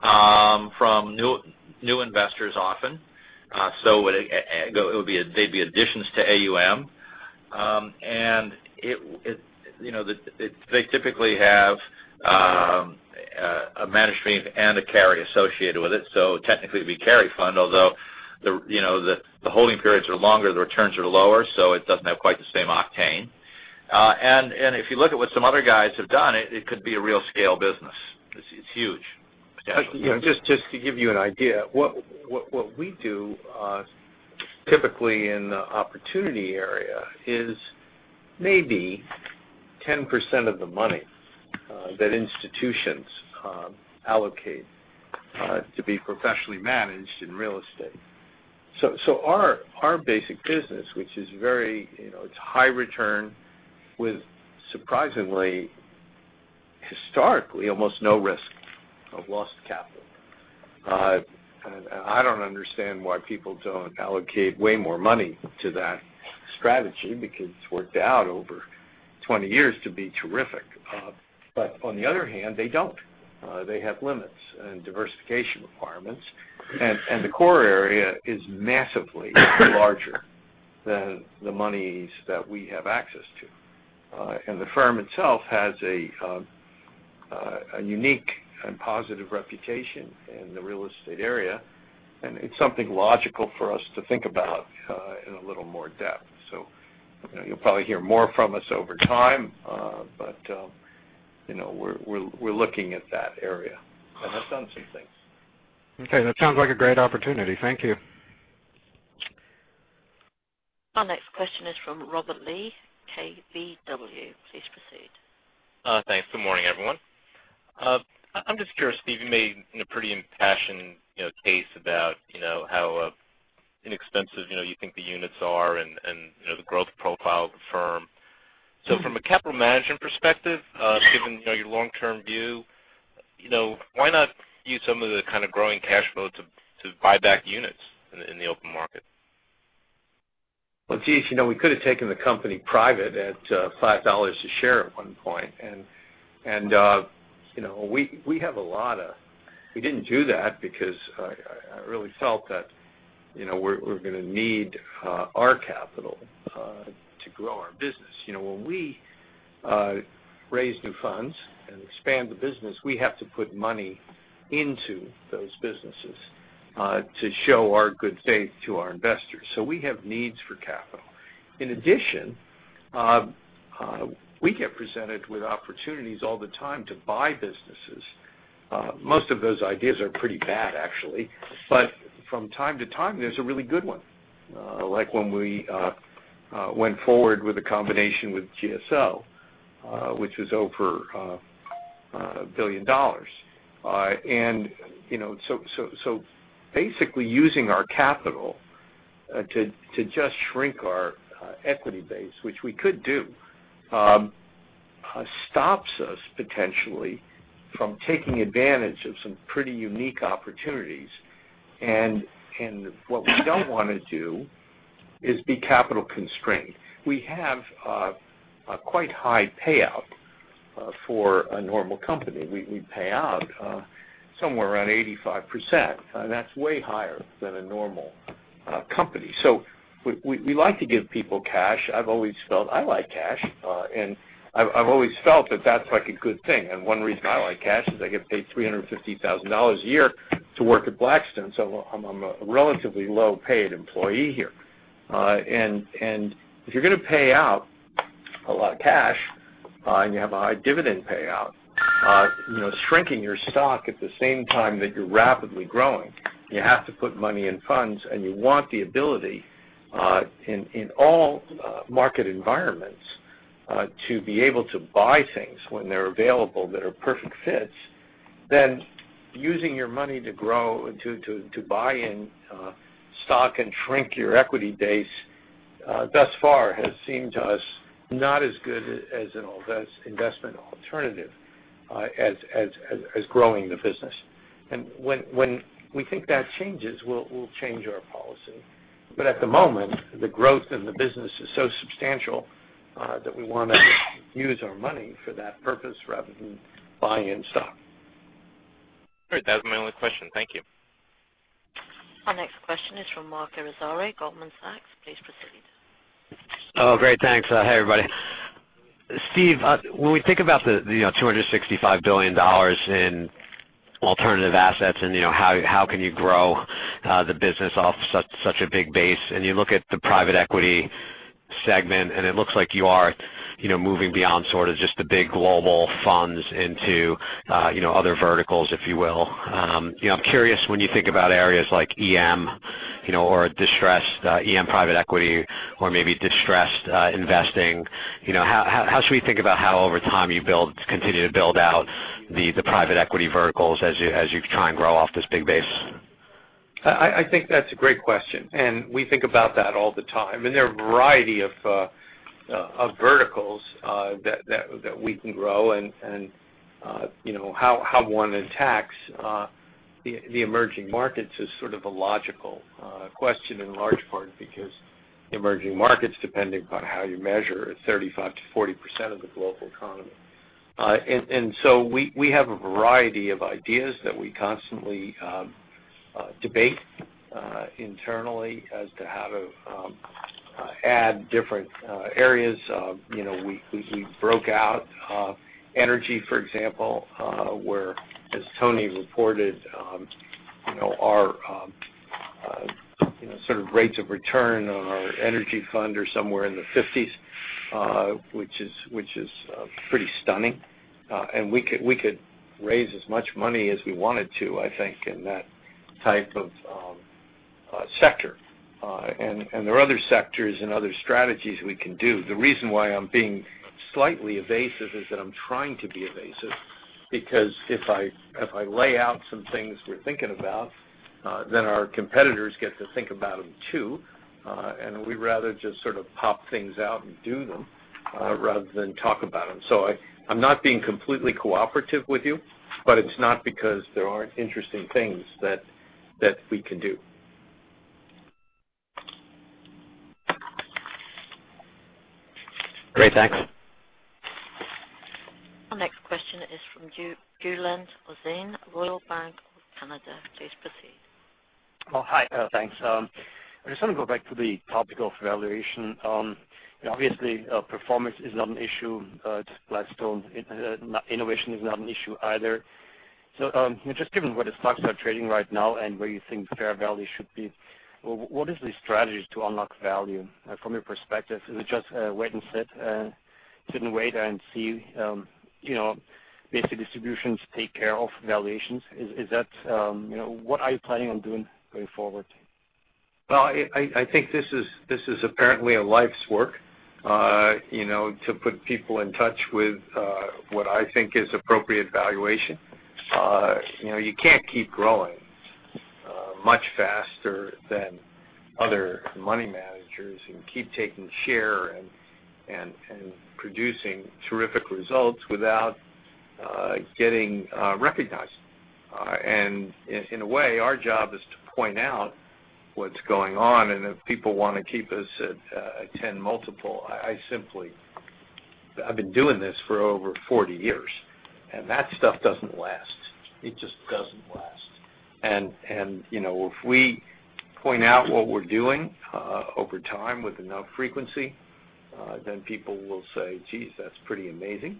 S7: from new investors often. They'd be additions to AUM. They typically have a management fee and a carry associated with it, so technically it would be a carry fund, although the holding periods are longer, the returns are lower, so it doesn't have quite the same octane. If you look at what some other guys have done, it could be a real scale business. It's huge, potentially.
S3: Just to give you an idea, what we do typically in the opportunity area is maybe 10% of the money that institutions allocate to be professionally managed in real estate. Our basic business, which is very high return with surprisingly, historically, almost no risk of lost capital. I don't understand why people don't allocate way more money to that strategy, because it's worked out over 20 years to be terrific. On the other hand, they don't. They have limits and diversification requirements. The core area is massively larger than the monies that we have access to. The firm itself has a unique and positive reputation in the real estate area, and it's something logical for us to think about in a little more depth. You'll probably hear more from us over time. We're looking at that area, and have done some things.
S14: That sounds like a great opportunity. Thank you.
S1: Our next question is from Robert Lee, KBW. Please proceed.
S15: Thanks. Good morning, everyone. I'm just curious, Steve, you made a pretty impassioned case about how inexpensive you think the units are and the growth profile of the firm. From a capital management perspective, given your long-term view, why not use some of the growing cash flow to buy back units in the open market?
S3: Well, jeez, we could have taken the company private at $5 a share at one point. We didn't do that because I really felt that we're going to need our capital to grow our business. When we raise new funds and expand the business, we have to put money into those businesses to show our good faith to our investors. Most of those ideas are pretty bad, actually. From time to time, there's a really good one, like when we went forward with a combination with GSO which was over $1 billion. Basically using our capital to just shrink our equity base, which we could do, stops us potentially from taking advantage of some pretty unique opportunities. What we don't want to do is be capital constrained. We have a quite high payout for a normal company. We pay out somewhere around 85%, that's way higher than a normal company. We like to give people cash. I've always felt I like cash. I've always felt that that's like a good thing. One reason I like cash is I get paid $350,000 a year to work at Blackstone, so I'm a relatively low-paid employee here. If you're going to pay out a lot of cash and you have a high dividend payout, shrinking your stock at the same time that you're rapidly growing, you have to put money in funds, and you want the ability in all market environments to be able to buy things when they're available that are perfect fits, using your money to grow, to buy in stock and shrink your equity base, thus far has seemed to us not as good as an investment alternative as growing the business. When we think that changes, we'll change our policy. At the moment, the growth in the business is so substantial that we want to use our money for that purpose rather than buying in stock.
S15: Great. That was my only question. Thank you.
S1: Our next question is from Marc Irizarry, Goldman Sachs. Please proceed.
S16: Great. Thanks. Hey, everybody. Steve, when we think about the $265 billion in alternative assets and how can you grow the business off such a big base, and you look at the private equity segment, and it looks like you are moving beyond sort of just the big global funds into other verticals, if you will. I'm curious when you think about areas like EM or distressed EM private equity or maybe distressed investing, how should we think about how over time you continue to build out the private equity verticals as you try and grow off this big base?
S3: I think that's a great question. We think about that all the time. There are a variety of verticals that we can grow and how one attacks the emerging markets is sort of a logical question in large part because the emerging markets, depending upon how you measure, is 35%-40% of the global economy. We have a variety of ideas that we constantly debate internally as to how to add different areas. We broke out energy, for example, where, as Tony reported, our sort of rates of return on our energy fund are somewhere in the 50s, which is pretty stunning. We could raise as much money as we wanted to, I think, in that type of sector. There are other sectors and other strategies we can do. The reason why I'm being slightly evasive is that I'm trying to be evasive, because if I lay out some things we're thinking about, then our competitors get to think about them too. We'd rather just sort of pop things out and do them rather than talk about them. I'm not being completely cooperative with you, but it's not because there aren't interesting things that we can do.
S16: Great, thanks.
S1: Our next question is from Huseyin Gulen, Royal Bank of Canada. Please proceed.
S17: Hi, thanks. I just want to go back to the topic of valuation. Obviously, performance is not an issue to Blackstone. Innovation is not an issue either. Just given where the stocks are trading right now and where you think fair value should be, what is the strategy to unlock value from your perspective? Is it just sit and wait and see basic distributions take care of valuations? What are you planning on doing going forward?
S3: Well, I think this is apparently a life's work, to put people in touch with what I think is appropriate valuation. You can't keep growing much faster than other money managers and keep taking share and producing terrific results without getting recognized. In a way, our job is to point out what's going on, and if people want to keep us at 10 multiple, I've been doing this for over 40 years, and that stuff doesn't last. It just doesn't last. If we point out what we're doing over time with enough frequency, then people will say, "Geez, that's pretty amazing,"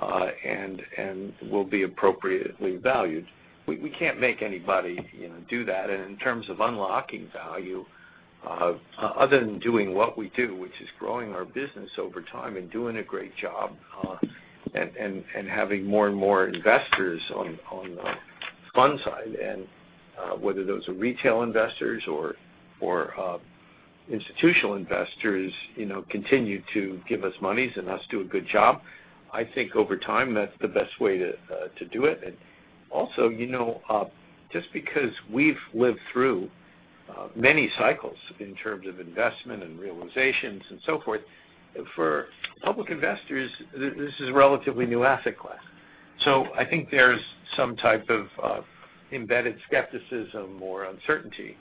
S3: and we'll be appropriately valued. We can't make anybody do that, and in terms of unlocking value, other than doing what we do, which is growing our business over time and doing a great job and having more and more investors on the fund side, and whether those are retail investors or institutional investors, continue to give us monies and us do a good job. I think over time, that's the best way to do it. Also, just because we've lived through many cycles in terms of investment and realizations and so forth, for public investors, this is a relatively new asset class. I think there's some type of embedded skepticism or uncertainty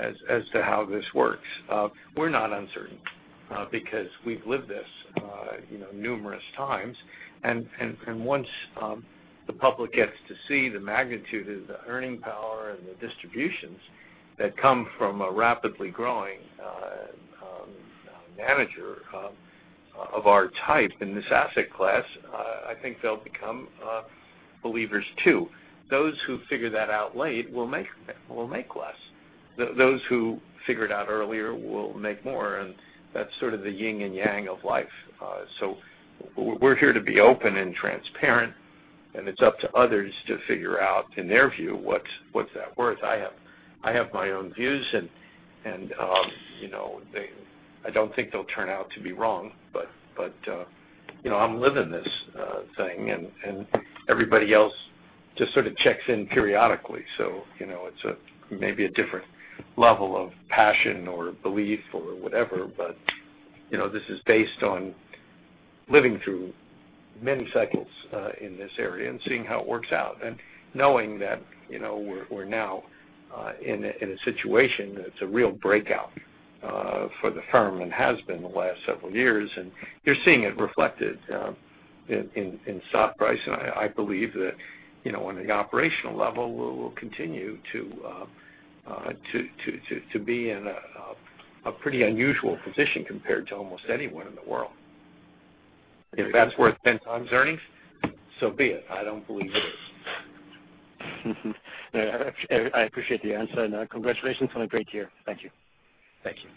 S3: as to how this works. We're not uncertain because we've lived this numerous times. Once the public gets to see the magnitude of the earning power and the distributions that come from a rapidly growing manager of our type in this asset class, I think they'll become believers too. Those who figure that out late will make less. Those who figure it out earlier will make more. That's sort of the yin and yang of life. We're here to be open and transparent, and it's up to others to figure out, in their view, what's that worth. I have my own views and I don't think they'll turn out to be wrong, but I'm living this thing, and everybody else just sort of checks in periodically. It's maybe a different level of passion or belief or whatever, but this is based on living through many cycles in this area and seeing how it works out and knowing that we're now in a situation that's a real breakout for the firm and has been the last several years, and you're seeing it reflected in stock price. I believe that on the operational level, we'll continue to be in a pretty unusual position compared to almost anyone in the world. If that's worth 10 times earnings, so be it. I don't believe it is.
S17: I appreciate the answer, congratulations on a great year. Thank you.
S3: Thank you.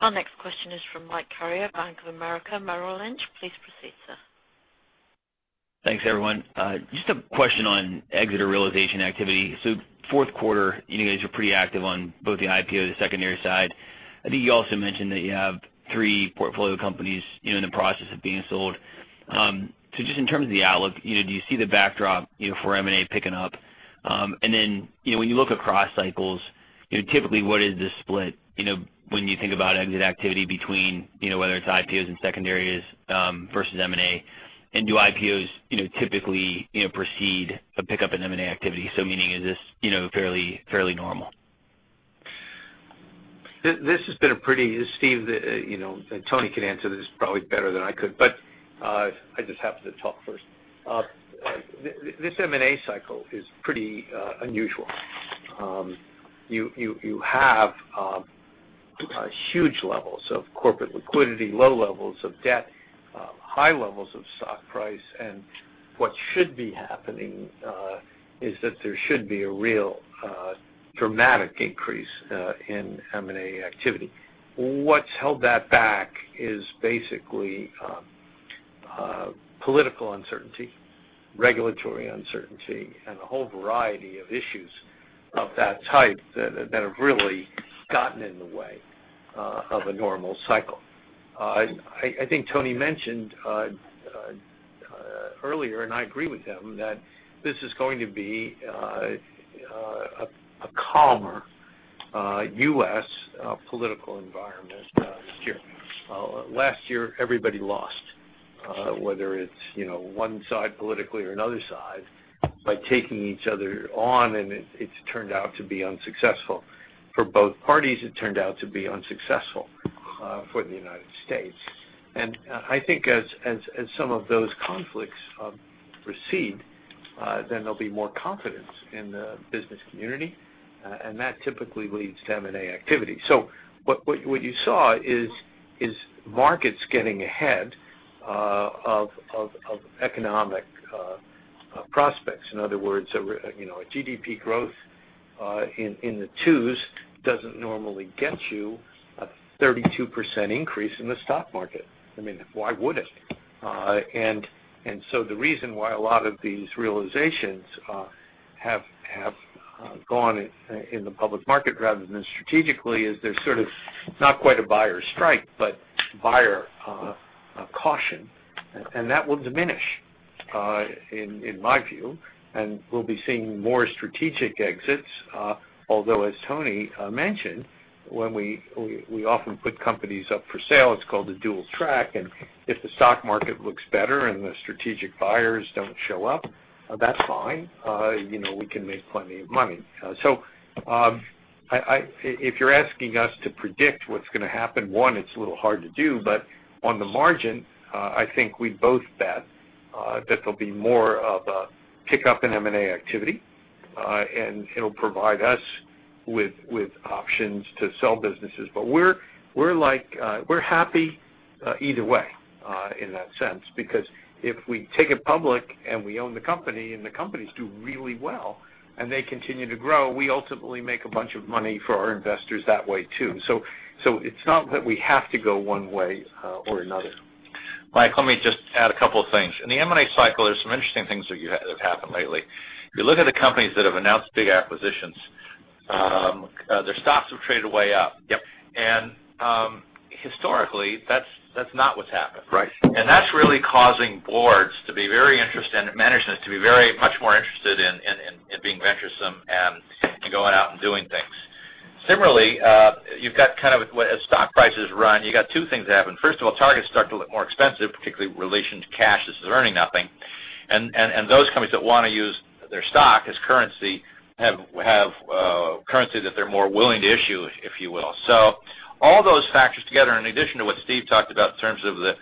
S1: Our next question is from Michael Carrier, Bank of America, Merrill Lynch. Please proceed, sir.
S18: Thanks, everyone. Just a question on exit or realization activity. Fourth quarter, you guys were pretty active on both the IPO and the secondary side. I think you also mentioned that you have three portfolio companies in the process of being sold. Just in terms of the outlook, do you see the backdrop for M&A picking up? When you look across cycles, typically what is the split when you think about exit activity between whether it's IPOs and secondaries versus M&A? Do IPOs typically precede a pickup in M&A activity? Meaning, is this fairly normal?
S3: This has been a pretty Steve, and Tony could answer this probably better than I could, but I just happen to talk first. This M&A cycle is pretty unusual. You have huge levels of corporate liquidity, low levels of debt, high levels of stock price, what should be happening is that there should be a real dramatic increase in M&A activity. What's held that back is basically political uncertainty, regulatory uncertainty, a whole variety of issues of that type that have really gotten in the way of a normal cycle. I think Tony mentioned earlier, I agree with him, that this is going to be a calmer U.S. political environment this year. Last year, everybody lost, whether it's one side politically or another side by taking each other on, it's turned out to be unsuccessful for both parties. It turned out to be unsuccessful for the United States. I think as some of those conflicts recede, there'll be more confidence in the business community, that typically leads to M&A activity. What you saw is markets getting ahead of economic prospects. In other words, a GDP growth in the twos doesn't normally get you a 32% increase in the stock market. I mean, why would it? The reason why a lot of these realizations have gone in the public market rather than strategically is there's sort of not quite a buyer strike, but buyer caution. That will diminish, in my view, we'll be seeing more strategic exits. Although, as Tony mentioned, when we often put companies up for sale, it's called a dual track, if the stock market looks better the strategic buyers don't show up, that's fine. We can make plenty of money. If you're asking us to predict what's going to happen, one, it's a little hard to do, but on the margin, I think we both bet that there'll be more of a pickup in M&A activity, it'll provide us with options to sell businesses. We're happy either way in that sense because if we take it public we own the company the companies do really well they continue to grow, we ultimately make a bunch of money for our investors that way, too. It's not that we have to go one way or another.
S7: Mike, let me just add a couple of things. In the M&A cycle, there's some interesting things that have happened lately. If you look at the companies that have announced big acquisitions, their stocks have traded way up.
S3: Yep.
S7: Historically, that's not what's happened.
S3: Right.
S7: That's really causing boards to be very interested and management to be very much more interested in being venturesome and going out and doing things. Similarly, you've got kind of as stock prices run, you've got two things that happen. First of all, targets start to look more expensive, particularly in relation to cash that's earning nothing. Those companies that want to use their stock as currency have currency that they're more willing to issue, if you will. All those factors together, in addition to what Steve talked about in terms of the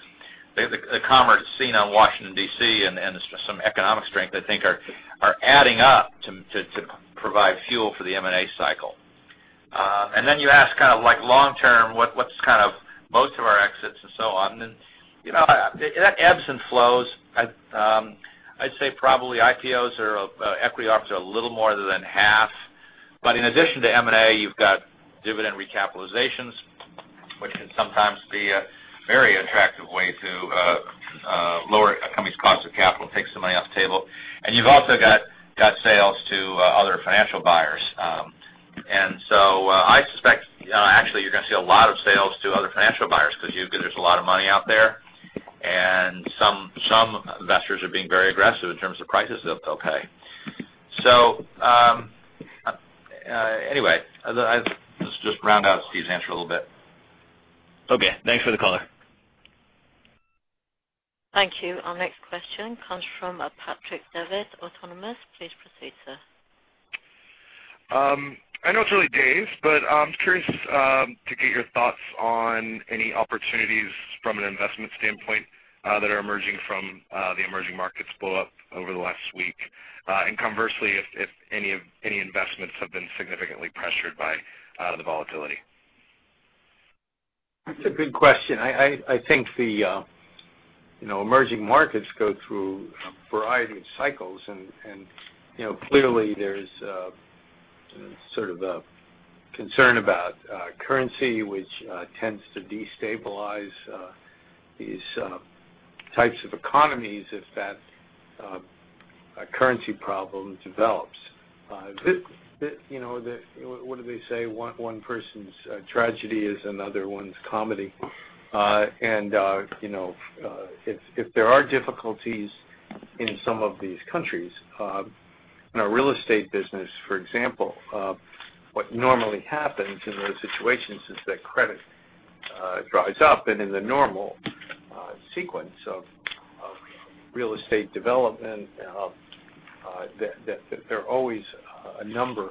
S7: calmer scene on Washington, D.C., and some economic strength, I think are adding up to provide fuel for the M&A cycle. Then you ask kind of long term, what's kind of most of our exits and so on, and that ebbs and flows. I'd say probably IPOs or equity ops are a little more than half. In addition to M&A, you've got dividend recapitalizations Which can sometimes be a very attractive way to lower a company's cost of capital, take some money off the table. You've also got sales to other financial buyers. I suspect actually you're going to see a lot of sales to other financial buyers because there's a lot of money out there, and some investors are being very aggressive in terms of prices they'll pay. Anyway, just round out Steve's answer a little bit.
S18: Okay. Thanks for the color.
S1: Thank you. Our next question comes from Patrick Davitt, Autonomous. Please proceed, sir.
S11: I know it's really Davitt, but I'm curious to get your thoughts on any opportunities from an investment standpoint that are emerging from the emerging markets blow up over the last week. Conversely, if any investments have been significantly pressured by the volatility.
S3: That's a good question. I think the emerging markets go through a variety of cycles, clearly there's sort of a concern about currency, which tends to destabilize these types of economies if that currency problem develops. What do they say? One person's tragedy is another one's comedy. If there are difficulties in some of these countries, in our real estate business, for example, what normally happens in those situations is that credit dries up in the normal sequence of real estate development there are always a number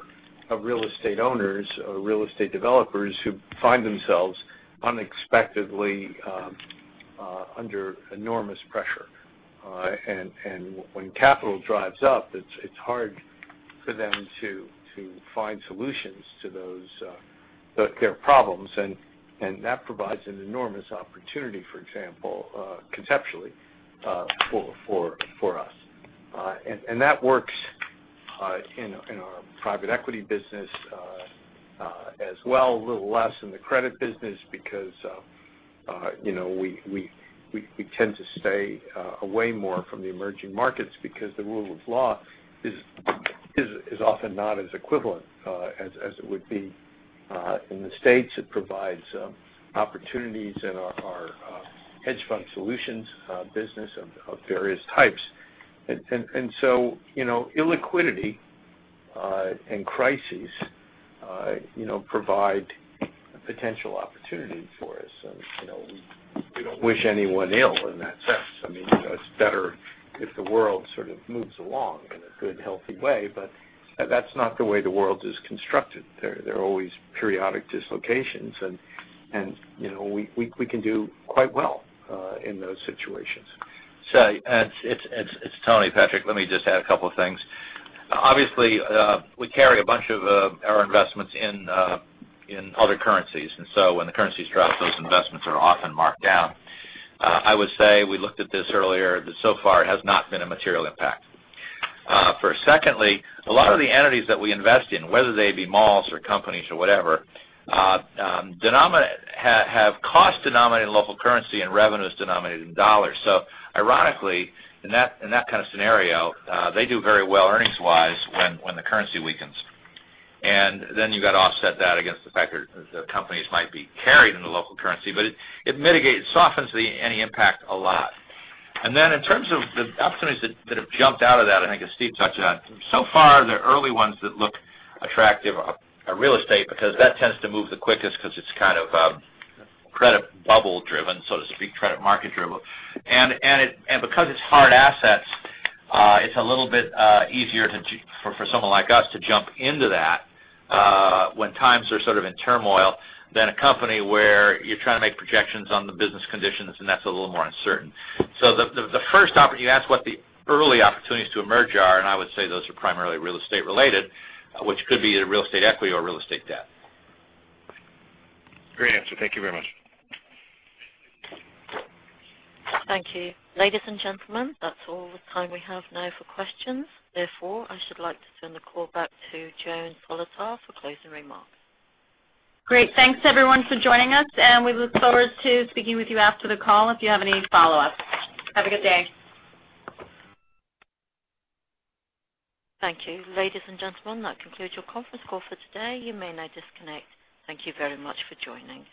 S3: of real estate owners or real estate developers who find themselves unexpectedly under enormous pressure. When capital dries up, it's hard for them to find solutions to their problems. That provides an enormous opportunity, for example, conceptually, for us. That works in our private equity business as well, a little less in the credit business because we tend to stay away more from the emerging markets because the rule of law is often not as equivalent as it would be in the U.S. It provides opportunities in our hedge fund solutions business of various types. Illiquidity and crises provide potential opportunities for us. We don't wish anyone ill in that sense. I mean, it's better if the world sort of moves along in a good, healthy way, that's not the way the world is constructed. There are always periodic dislocations, and we can do quite well in those situations.
S7: It's Tony, Patrick. Let me just add a couple of things. Obviously, we carry a bunch of our investments in other currencies. When the currencies drop, those investments are often marked down. I would say we looked at this earlier, that so far it has not been a material impact. Secondly, a lot of the entities that we invest in, whether they be malls or companies or whatever, have cost denominated in local currency and revenues denominated in U.S. dollars. Ironically, in that kind of scenario, they do very well earnings-wise when the currency weakens. You've got to offset that against the fact that the companies might be carried in the local currency, but it softens any impact a lot. In terms of the opportunities that have jumped out of that, I think as Steve touched on, so far, the early ones that look attractive are real estate because that tends to move the quickest because it's kind of credit bubble driven, so to speak, credit market driven. Because it's hard assets, it's a little bit easier for someone like us to jump into that when times are sort of in turmoil than a company where you're trying to make projections on the business conditions, and that's a little more uncertain. The first opportunity, you asked what the early opportunities to emerge are, and I would say those are primarily real estate related, which could be either real estate equity or real estate debt.
S11: Great answer. Thank you very much.
S1: Thank you. Ladies and gentlemen, that's all the time we have now for questions. Therefore, I should like to turn the call back to Joan Solotar for closing remarks.
S2: Great. Thanks everyone for joining us, and we look forward to speaking with you after the call if you have any follow-ups. Have a good day.
S1: Thank you. Ladies and gentlemen, that concludes your conference call for today. You may now disconnect. Thank you very much for joining.